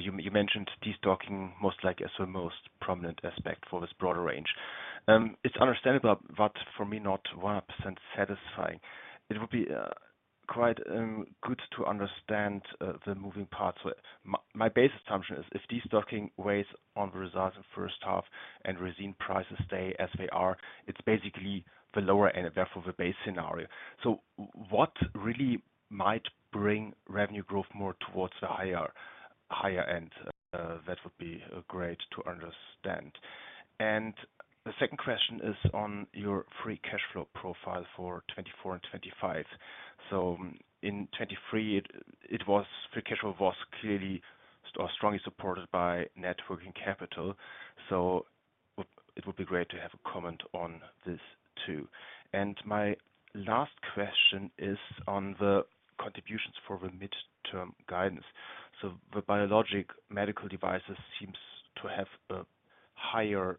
You mentioned destocking most likely as the most prominent aspect for this broader range. It's understandable, but for me, not 100% satisfying. It would be quite good to understand the moving parts. My base assumption is, if destocking weighs on the results in the first half and resin prices stay as they are, it's basically the lower end, therefore, the base scenario. What really might bring revenue growth more towards the higher end? That would be great to understand. The second question is on your free cash flow profile for 2024 and 2025. In 2023, free cash flow was clearly or strongly supported by net working capital. It would be great to have a comment on this too. My last question is on the contributions for the midterm guidance. So the biologic medical devices seems to have a higher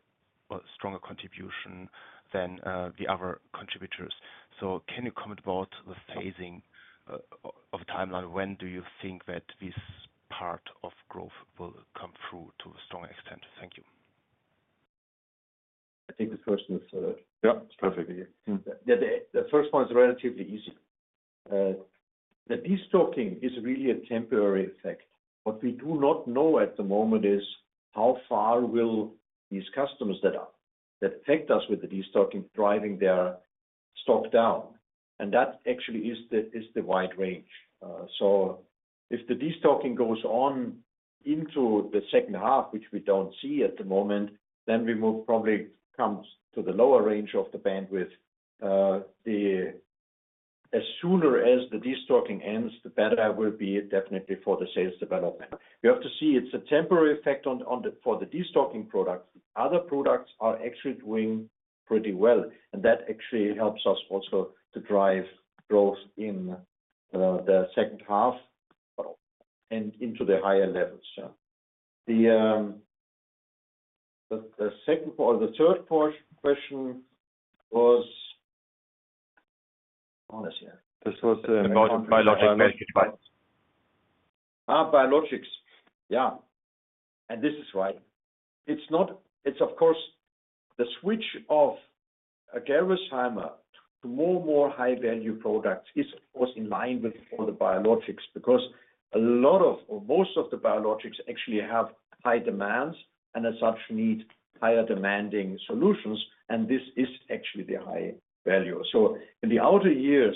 or stronger contribution than the other contributors. So can you comment about the phasing of the timeline? When do you think that this part of growth will come through to a stronger extent? Thank you. I think this question is perfectly the first one is relatively easy. The destocking is really a temporary effect. What we do not know at the moment is how far will these customers that affect us with the destocking driving their stock down. And that actually is the wide range. So if the destocking goes on into the second half, which we don't see at the moment, then we will probably come to the lower range of the bandwidth. As sooner as the destocking ends, the better it will be definitely for the sales development. You have to see it's a temporary effect for the destocking products. Other products are actually doing pretty well. And that actually helps us also to drive growth in the second half and into the higher levels. The third question was. This was about biologic medical devices. Biologics. Yeah. And this is right. It's of course, the switch of Gerresheimer to more and more high-value products is, of course, in line with all the biologics because a lot of or most of the biologics actually have high demands and, as such, need higher-demanding solutions. And this is actually the high value. So in the outer years,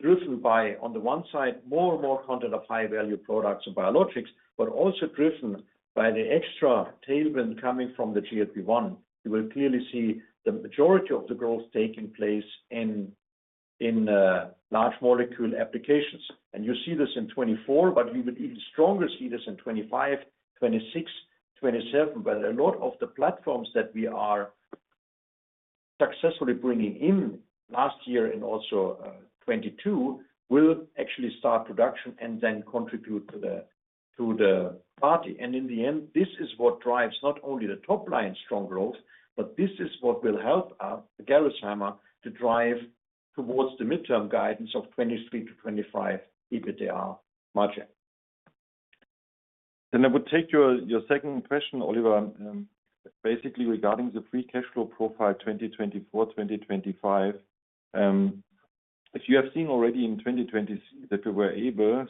driven by, on the one side, more and more content of high-value products and biologics, but also driven by the extra tailwind coming from the GLP-1, you will clearly see the majority of the growth taking place in large molecule applications. And you see this in 2024, but you will even stronger see this in 2025, 2026, 2027. But a lot of the platforms that we are successfully bringing in last year and also 2022 will actually start production and then contribute to the party. And in the end, this is what drives not only the top line strong growth, but this is what will help Gerresheimer to drive towards the midterm guidance of 2023 to 2025 EBITDA margin. And I would take your second question, Oliver, basically regarding the free cash flow profile 2024, 2025. If you have seen already in 2020 that we were able,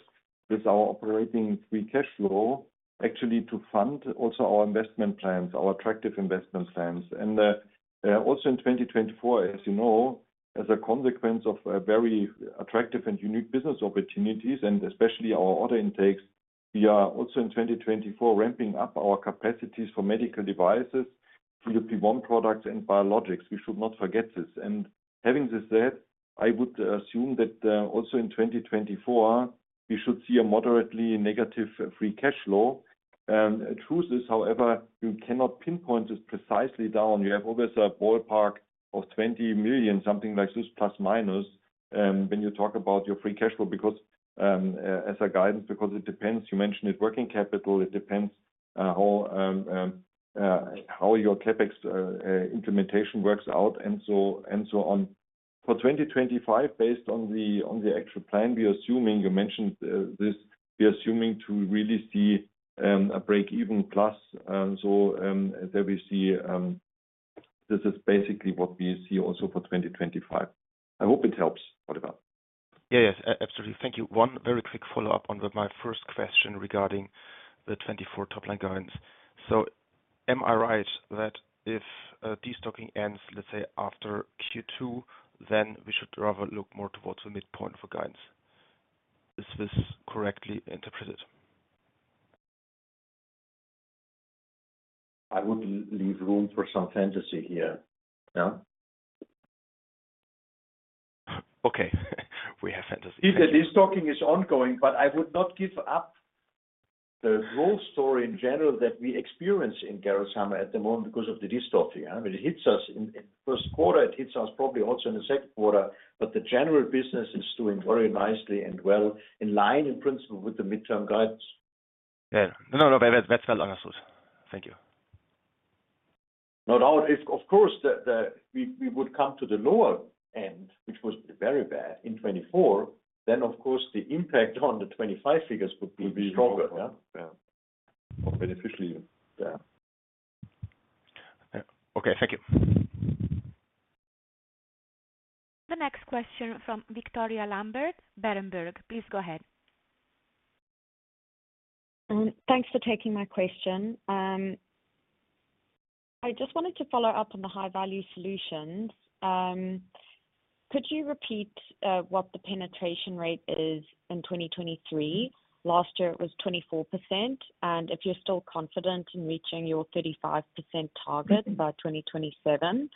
with our operating free cash flow, actually to fund also our investment plans, our attractive investment plans. And also in 2024, as you know, as a consequence of very attractive and unique business opportunities and especially our order intakes, we are also in 2024 ramping up our capacities for medical devices, GLP-1 products, and biologics. We should not forget this. And having this said, I would assume that also in 2024, we should see a moderately negative free cash flow. The truth is, however, you cannot pinpoint this precisely down. You have always a ballpark of 20 million, something like this, plus minus, when you talk about your free cash flow as a guidance because it depends. You mentioned it working capital. It depends how your Capex implementation works out and so on. For 2025, based on the actual plan, we are assuming you mentioned this, we are assuming to really see a break-even plus. So there we see this is basically what we see also for 2025. I hope it helps, Oliver. Yeah, yes. Absolutely. Thank you. One very quick follow-up on my first question regarding the 2024 top line guidance. So am I right that if destocking ends, let's say, after Q2, then we should rather look more towards the midpoint for guidance? Is this correctly interpreted? I would leave room for some fantasy here. Yeah? Okay. We have fantasy. If the destocking is ongoing, but I would not give up the growth story in general that we experience in Gerresheimer at the moment because of the destocking. When it hits us in the first quarter, it hits us probably also in the second quarter. But the general business is doing very nicely and well in line, in principle, with the midterm guidance. Yeah. No, no, no. That's well understood. Thank you. No doubt. Of course, we would come to the lower end, which was very bad in 2024. Then, of course, the impact on the 2025 figures would be stronger. Yeah. Or beneficial even. Yeah. Okay. Thank you. The next question from Victoria Lambert, Berenberg. Please go ahead. Thanks for taking my question. I just wanted to follow up on the high-value solutions. Could you repeat what the penetration rate is in 2023? Last year, it was 24%. And if you're still confident in reaching your 35% target by 2027.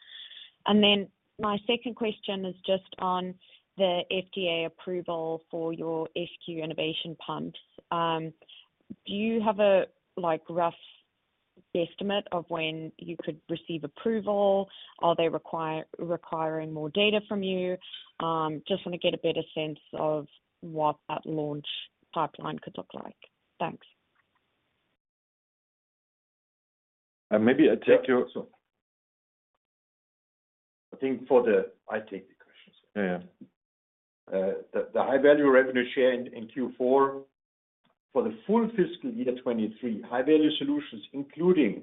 And then my second question is just on the FDA approval for your SQ Innovation pumps. Do you have a rough estimate of when you could receive approval? Are they requiring more data from you? Just want to get a better sense of what that launch pipeline could look like. Thanks. Maybe I take your. I think for the I take the questions. Yeah, yeah. The high-value revenue share in Q4, for the full fiscal year 2023, high-value solutions, including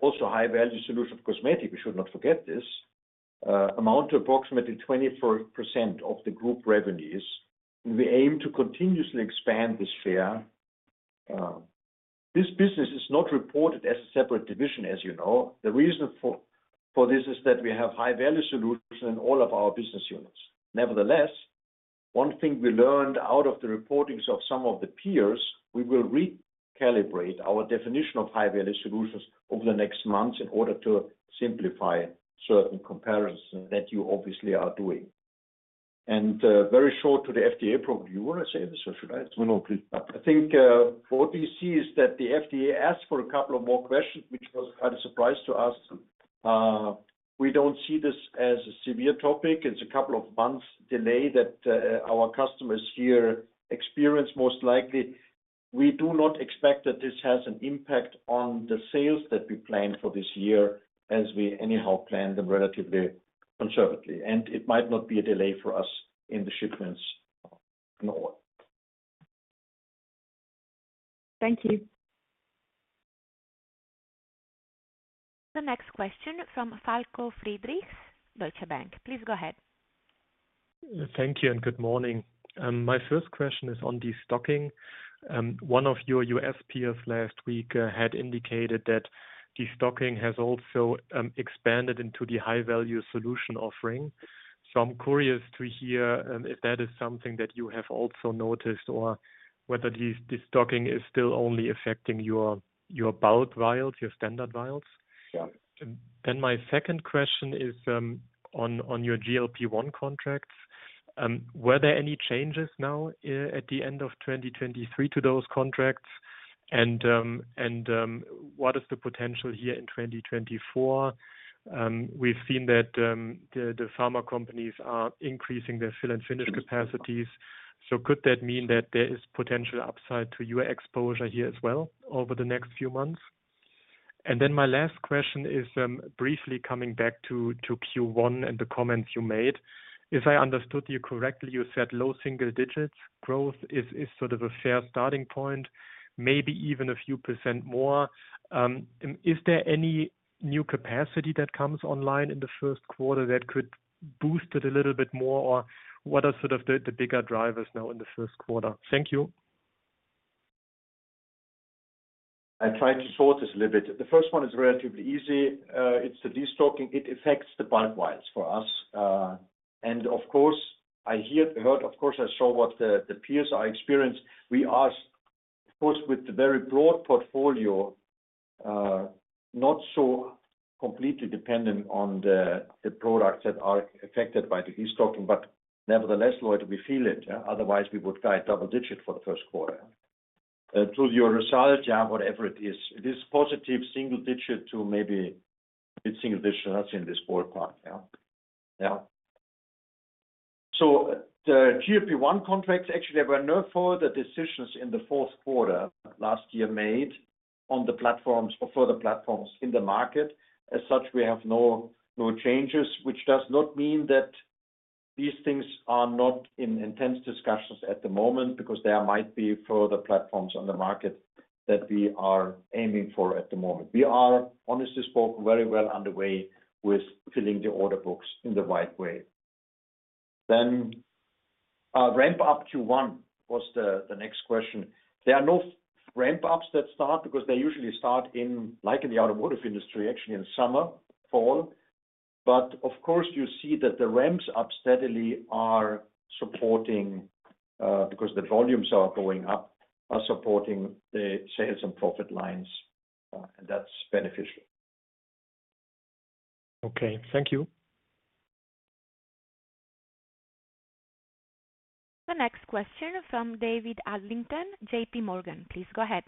also high-value solutions of cosmetics—we should not forget this—amount to approximately 24% of the group revenues. We aim to continuously expand this share. This business is not reported as a separate division, as you know. The reason for this is that we have high-value solutions in all of our business units. Nevertheless, one thing we learned out of the reporting of some of the peers, we will recalibrate our definition of high-value solutions over the next months in order to simplify certain comparisons that you obviously are doing. Very short to the FDA program, you want to say this, or should I? No, no, please. I think what we see is that the FDA asked for a couple of more questions, which was quite a surprise to us. We don't see this as a severe topic. It's a couple of months' delay that our customers here experience, most likely. We do not expect that this has an impact on the sales that we plan for this year as we anyhow plan them relatively conservatively. It might not be a delay for us in the shipments in all. Thank you. The next question from Falko Friedrichs, Deutsche Bank. Please go ahead. Thank you and good morning. My first question is on destocking. One of your US peers last week had indicated that destocking has also expanded into the high-value solution offering. So I'm curious to hear if that is something that you have also noticed or whether destocking is still only affecting your bulk vials, your standard vials. Then my second question is on your GLP-1 contracts. Were there any changes now at the end of 2023 to those contracts? And what is the potential here in 2024? We've seen that the pharma companies are increasing their fill and finish capacities. So could that mean that there is potential upside to your exposure here as well over the next few months? And then my last question is briefly coming back to Q1 and the comments you made. If I understood you correctly, you said low single-digit growth is sort of a fair starting point, maybe even a few % more. Is there any new capacity that comes online in the first quarter that could boost it a little bit more? Or what are sort of the bigger drivers now in the first quarter? Thank you. I tried to short this a little bit. The first one is relatively easy. It's the destocking. It affects the bulk vials for us. And of course, I heard, of course, I saw what the peers are experiencing. We are, of course, with the very broad portfolio, not so completely dependent on the products that are affected by the destocking. But nevertheless, Falko, we feel it. Otherwise, we would get double-digit for the first quarter. To your result, yeah, whatever it is, it is positive single-digit to maybe a bit single-digit as in this ballpark. Yeah? Yeah? So the GLP-1 contracts, actually, there were no further decisions in the fourth quarter last year made on the platforms or further platforms in the market. As such, we have no changes, which does not mean that these things are not in intense discussions at the moment because there might be further platforms on the market that we are aiming for at the moment. We are, honestly spoken, very well underway with filling the order books in the right way. Then ramp-up Q1 was the next question. There are no ramp-ups that start because they usually start in, like in the automotive industry, actually in summer, fall. But of course, you see that the ramps up steadily are supporting because the volumes are going up, are supporting the sales and profit lines. And that's beneficial. Okay. Thank you. The next question from David Adlington, JP Morgan. Please go ahead.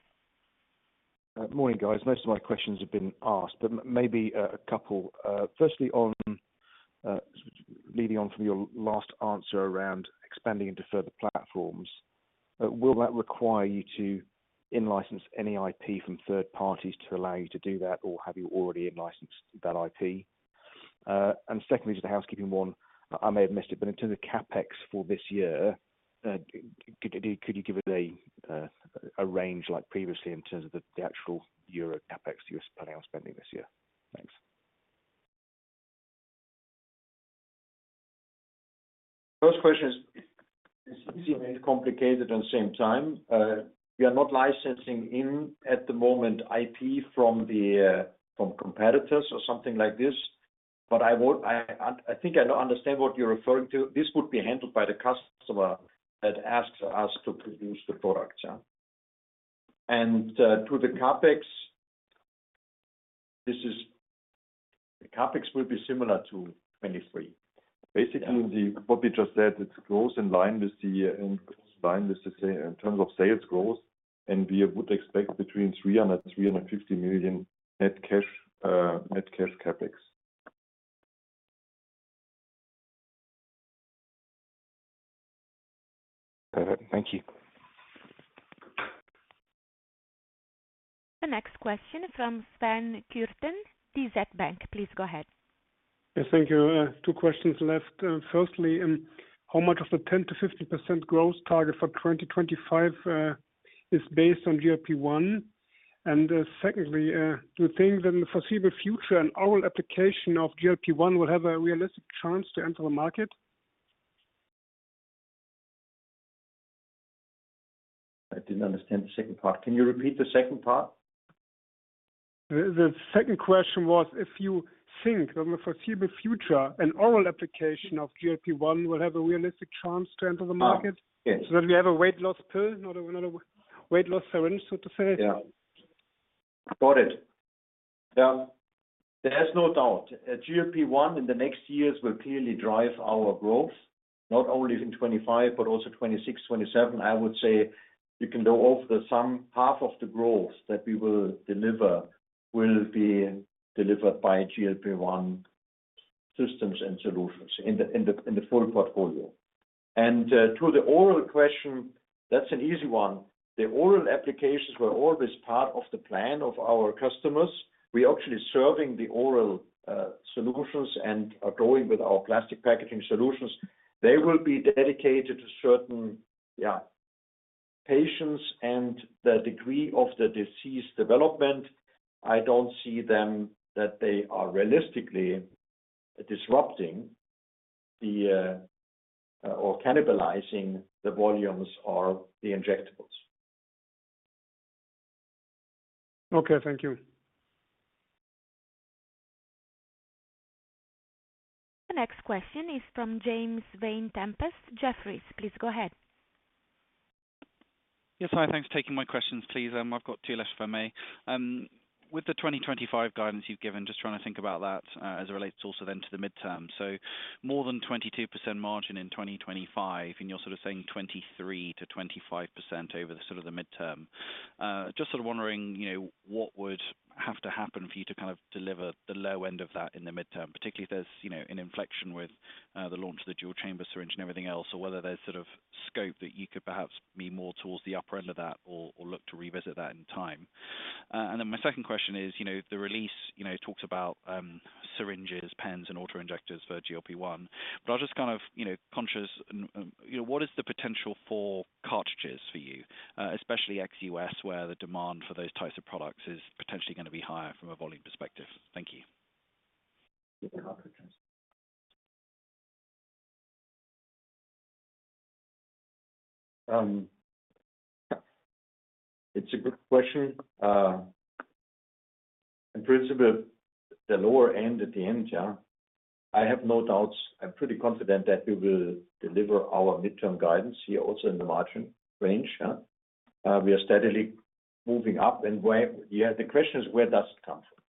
Morning, guys. Most of my questions have been asked, but maybe a couple. Firstly, leading on from your last answer around expanding into further platforms, will that require you to in-license any IP from third parties to allow you to do that, or have you already in-licensed that IP? And secondly, to the housekeeping one, I may have missed it, but in terms of CapEx for this year, could you give us a range like previously in terms of the actual EUR CapEx that you're planning on spending this year? Thanks. First question is easy and complicated at the same time. We are not licensing in at the moment IP from competitors or something like this. But I think I understand what you're referring to. This would be handled by the customer that asks us to produce the products. To the CapEx, the CapEx will be similar to 2023. Basically, what we just said, it grows in line with the in line with, say, in terms of sales growth. We would expect between 300 million and 350 million net cash Capex. Thank you. The next question from Sven Kürten, DZ Bank. Please go ahead. Yes, thank you. Two questions left. Firstly, how much of the 10%-15% growth target for 2025 is based on GLP-1? And secondly, do you think that in the foreseeable future, an oral application of GLP-1 will have a realistic chance to enter the market? I didn't understand the second part. Can you repeat the second part? The second question was if you think that in the foreseeable future, an oral application of GLP-1 will have a realistic chance to enter the market so that we have a weight loss pill, not a weight loss syringe, so to say. Yeah. Got it. Yeah. There's no doubt. GLP-1 in the next years will clearly drive our growth, not only in 2025 but also 2026, 2027. I would say you can go over the sum. Half of the growth that we will deliver will be delivered by GLP-1 systems and solutions in the full portfolio. And to the oral question, that's an easy one. The oral applications were always part of the plan of our customers. We're actually serving the oral solutions and are going with our plastic packaging solutions. They will be dedicated to certain, yeah, patients and the degree of the disease development. I don't see them that they are realistically disrupting or cannibalizing the volumes or the injectables. Okay. Thank you. The next question is from James Vane-Tempest, Jefferies. Please go ahead. Yes, hi. Thanks for taking my questions, please. I've got two left if I may. With the 2025 guidance you've given, just trying to think about that as it relates also then to the midterm. So more than 22% margin in 2025, and you're sort of saying 23%-25% over sort of the midterm. Just sort of wondering what would have to happen for you to kind of deliver the low end of that in the midterm, particularly if there's an inflection with the launch of the dual-chamber syringe and everything else, or whether there's sort of scope that you could perhaps be more towards the upper end of that or look to revisit that in time? And then my second question is the release talks about syringes, pens, and autoinjectors for GLP-1. But I'll just kind of conscious what is the potential for cartridges for you, especially ex-US, where the demand for those types of products is potentially going to be higher from a volume perspective? Thank you. It's a good question. In principle, the lower end at the end, yeah, I have no doubts. I'm pretty confident that we will deliver our midterm guidance here also in the margin range. We are steadily moving up. And the question is, where does it come from?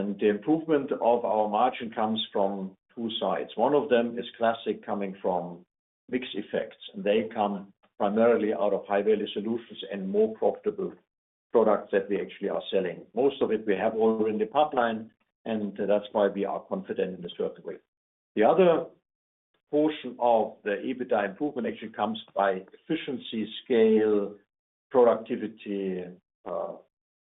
And the improvement of our margin comes from two sides. One of them is classic coming from mix effects. And they come primarily out of high-value solutions and more profitable products that we actually are selling. Most of it, we have already in the pipeline. And that's why we are confident in this working way. The other portion of the EBITDA improvement actually comes by efficiency, scale, productivity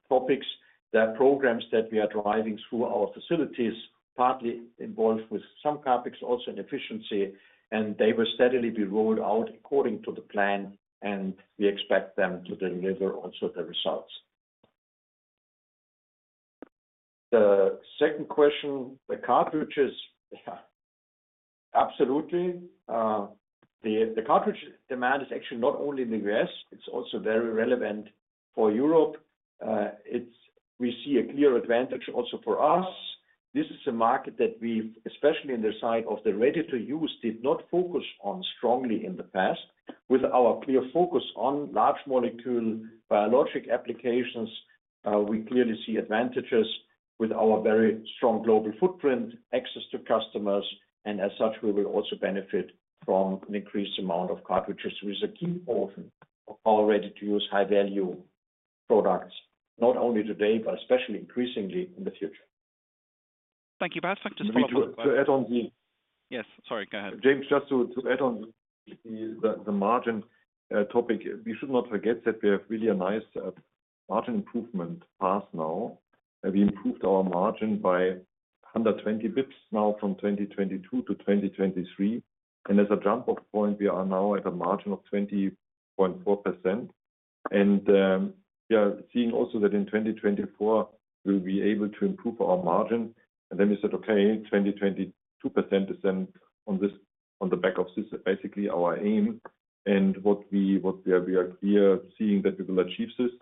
topics. There are programs that we are driving through our facilities, partly involved with some capex, also in efficiency. And they will steadily be rolled out according to the plan. And we expect them to deliver also the results. The second question, the cartridges, yeah. Absolutely. The cartridge demand is actually not only in the U.S. It's also very relevant for Europe. We see a clear advantage also for us. This is a market that we, especially in the side of the ready-to-use, did not focus on strongly in the past. With our clear focus on large molecule biologic applications, we clearly see advantages with our very strong global footprint, access to customers. And as such, we will also benefit from an increased amount of cartridges, which is a key portion of our ready-to-use high-value products, not only today but especially increasingly in the future. Thank you. Bernd, I'm just followed up. To add on the. Yes. Sorry. Go ahead. James, just to add on the margin topic, we should not forget that we have really a nice margin improvement past now. We improved our margin by 120 basis points now from 2022 to 2023. And as a jump-off point, we are now at a margin of 20.4%. And we are seeing also that in 2024, we'll be able to improve our margin. And then we said, "Okay, 20%-22% is then on the back of this, basically our aim." And what we are seeing that we will achieve this.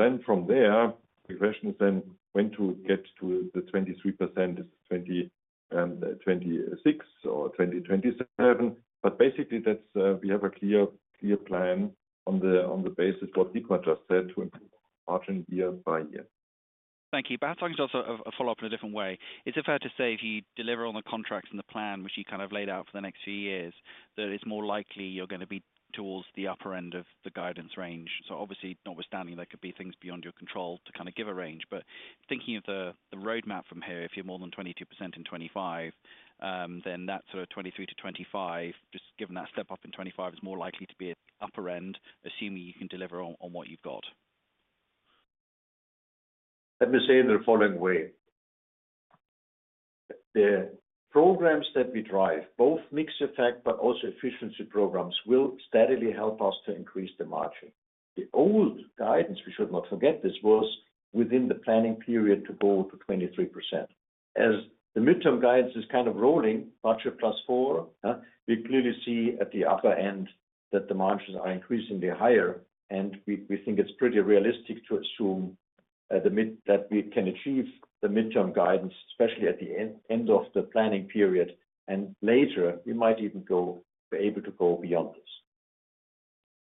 Then from there, the question is then when to get to the 23%, is it 2026 or 2027? But basically, we have a clear plan on the basis of what Dietmar just said to improve our margin year by year. Thank you. Yes, I can just also follow up in a different way. Is it fair to say if you deliver on the contracts and the plan which you kind of laid out for the next few years, that it's more likely you're going to be towards the upper end of the guidance range? So obviously, notwithstanding there could be things beyond your control to kind of give a range. But thinking of the roadmap from here, if you're more than 22% in 2025, then that sort of 2023 to 2025, just given that step up in 2025, is more likely to be at the upper end, assuming you can deliver on what you've got? Let me say it in the following way. The programs that we drive, both mixed effect but also efficiency programs, will steadily help us to increase the margin. The old guidance, we should not forget this, was within the planning period to go to 23%. As the midterm guidance is kind of rolling, budget plus four, we clearly see at the upper end that the margins are increasingly higher. And we think it's pretty realistic to assume that we can achieve the midterm guidance, especially at the end of the planning period. And later, we might even be able to go beyond this.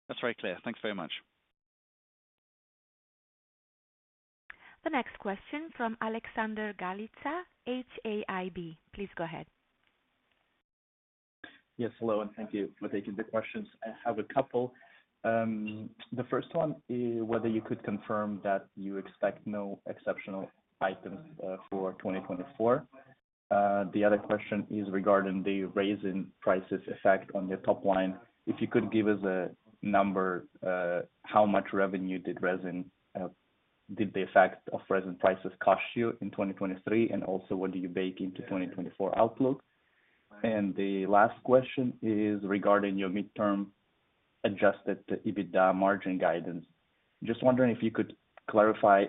That's very clear. Thanks very much. The next question from Alexander Galiza, HAIB. Please go ahead. Yes. Hello, and thank you for taking the questions. I have a couple. The first one is whether you could confirm that you expect no exceptional items for 2024. The other question is regarding the resin prices effect on your top line. If you could give us a number, how much revenue did the effect of resin prices cost you in 2023, and also what do you bake into 2024 outlook? And the last question is regarding your midterm adjusted EBITDA margin guidance. Just wondering if you could clarify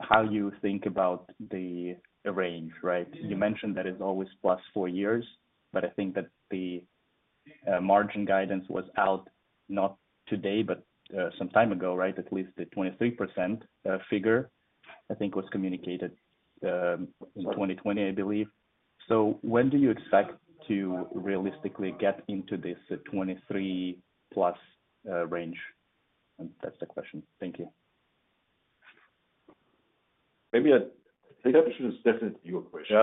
how you think about the range, right? You mentioned that it's always plus four years. But I think that the margin guidance was out not today but some time ago, right? At least the 23% figure, I think, was communicated in 2020, I believe. So when do you expect to realistically get into this 23-plus range? That's the question. Thank you. Maybe the exception is definitely your question.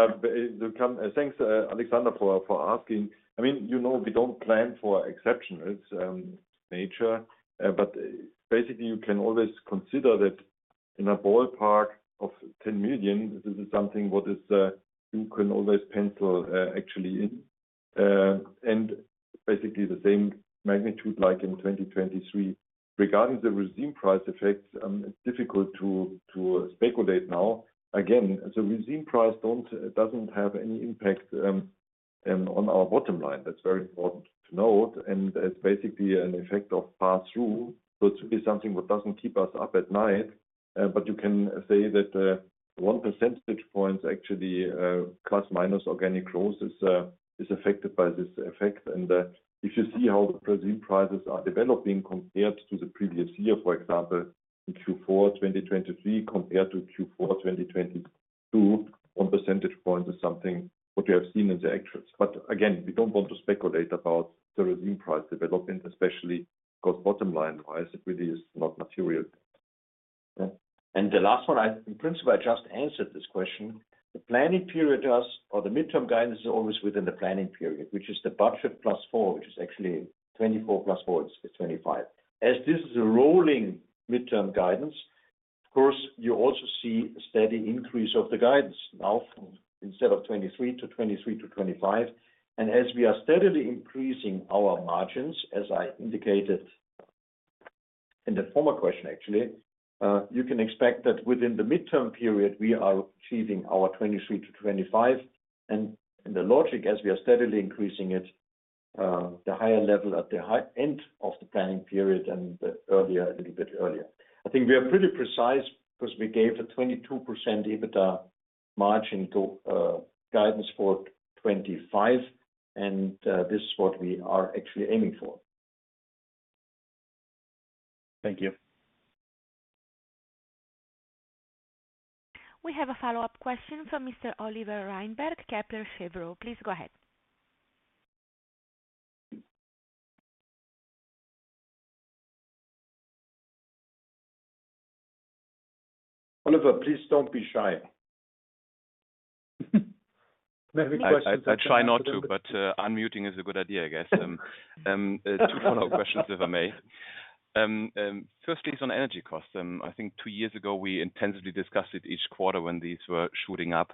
Thanks, Alexander, for asking. I mean, we don't plan for exceptional nature. But basically, you can always consider that in a ballpark of 10 million, this is something what you can always pencil actually in. And basically, the same magnitude like in 2023. Regarding the resin price effects, it's difficult to speculate now. Again, the resin price doesn't have any impact on our bottom line. That's very important to note. And it's basically an effect of pass-through. So it's really something what doesn't keep us up at night. But you can say that 1 percentage point is actually ± organic growth is affected by this effect. And if you see how the resin prices are developing compared to the previous year, for example, in Q4 2023 compared to Q4 2022, 1 percentage point is something what you have seen in the actuals. But again, we don't want to speculate about the resin price development, especially because bottom line-wise, it really is not material. And the last one, in principle, I just answered this question. The planning period does or the midterm guidance is always within the planning period, which is the budget plus four, which is actually 24 + 4 is 25. As this is a rolling midterm guidance, of course, you also see a steady increase of the guidance now instead of '23 to '23 to '25. As we are steadily increasing our margins, as I indicated in the former question, actually, you can expect that within the midterm period, we are achieving our 2023 to 2025. In the logic, as we are steadily increasing it, the higher level at the end of the planning period and a little bit earlier. I think we are pretty precise because we gave a 22% EBITDA margin guidance for 2025. And this is what we are actually aiming for. Thank you. We have a follow-up question from Mr. Oliver Reinberg, Kepler Cheuvreux. Please go ahead. Oliver, please don't be shy. Maybe questions that you. I try not to. But unmuting is a good idea, I guess. Two follow-up questions, if I may. Firstly, it's on energy costs. I think two years ago, we intensively discussed it each quarter when these were shooting up.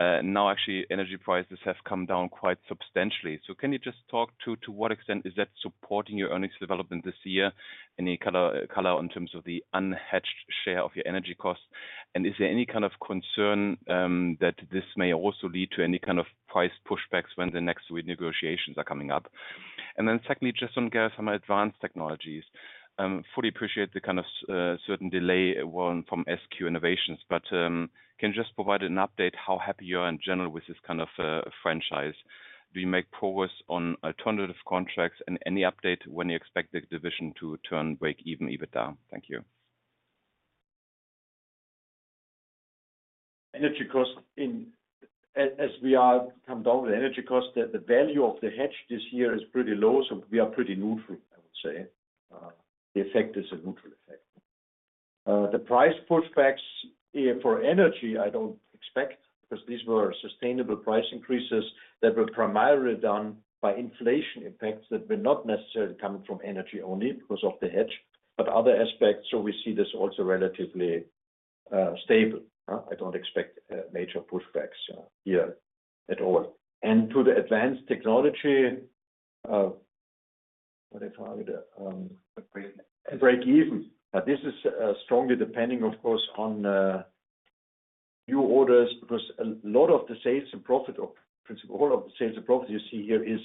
Now, actually, energy prices have come down quite substantially. So can you just talk to what extent is that supporting your earnings development this year, any color in terms of the unhedged share of your energy costs? And is there any kind of concern that this may also lead to any kind of price pushbacks when the next renegotiations are coming up? And then secondly, just on Gerresheimer Advanced Technologies, fully appreciate the kind of certain delay from SQ Innovation. But can you just provide an update how happy you are in general with this kind of franchise? Do you make progress on alternative contracts and any update when you expect the division to turn break-even EBITDA? Thank you. As we come down with energy costs, the value of the hedge this year is pretty low. So we are pretty neutral, I would say. The effect is a neutral effect. The price pushbacks for energy, I don't expect because these were sustainable price increases that were primarily done by inflation impacts that were not necessarily coming from energy only because of the hedge but other aspects. So we see this also relatively stable. I don't expect major pushbacks here at all. To the advanced technology, what if I were to break-even. This is strongly depending, of course, on new orders because a lot of the sales and profit of in principle, all of the sales and profit you see here is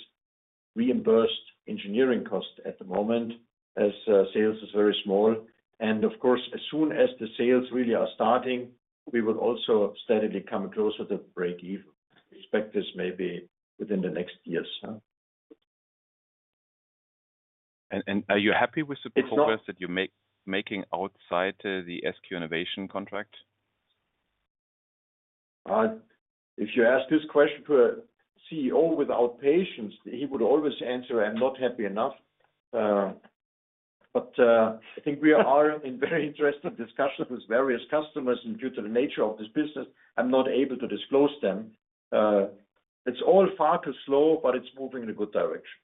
reimbursed engineering costs at the moment as sales is very small. And of course, as soon as the sales really are starting, we will also steadily come closer to break-even. I expect this maybe within the next years. And are you happy with the progress that you're making outside the SQ Innovation contract? If you ask this question to a CEO without patience, he would always answer, "I'm not happy enough." But I think we are in very interesting discussions with various customers. And due to the nature of this business, I'm not able to disclose them. It's all far too slow, but it's moving in a good direction.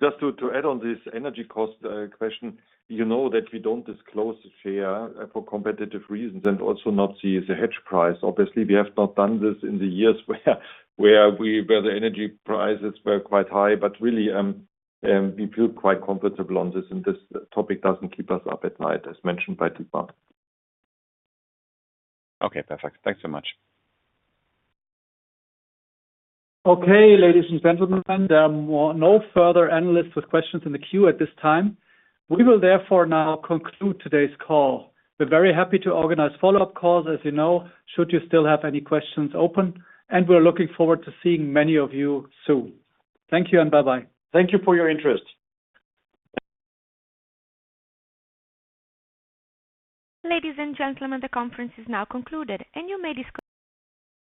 Just to add on this energy cost question, you know that we don't disclose the share for competitive reasons and also not see the hedge price. Obviously, we have not done this in the years where the energy prices were quite high. But really, we feel quite comfortable on this. And this topic doesn't keep us up at night, as mentioned by Dietmar. Okay. Perfect. Thanks so much. Okay. Ladies and gentlemen, there are no further analysts with questions in the queue at this time. We will therefore now conclude today's call. We're very happy to organize follow-up calls, as you know, should you still have any questions open. We're looking forward to seeing many of you soon. Thank you, and bye-bye. Thank you for your interest. Ladies and gentlemen, the conference is now concluded. You may.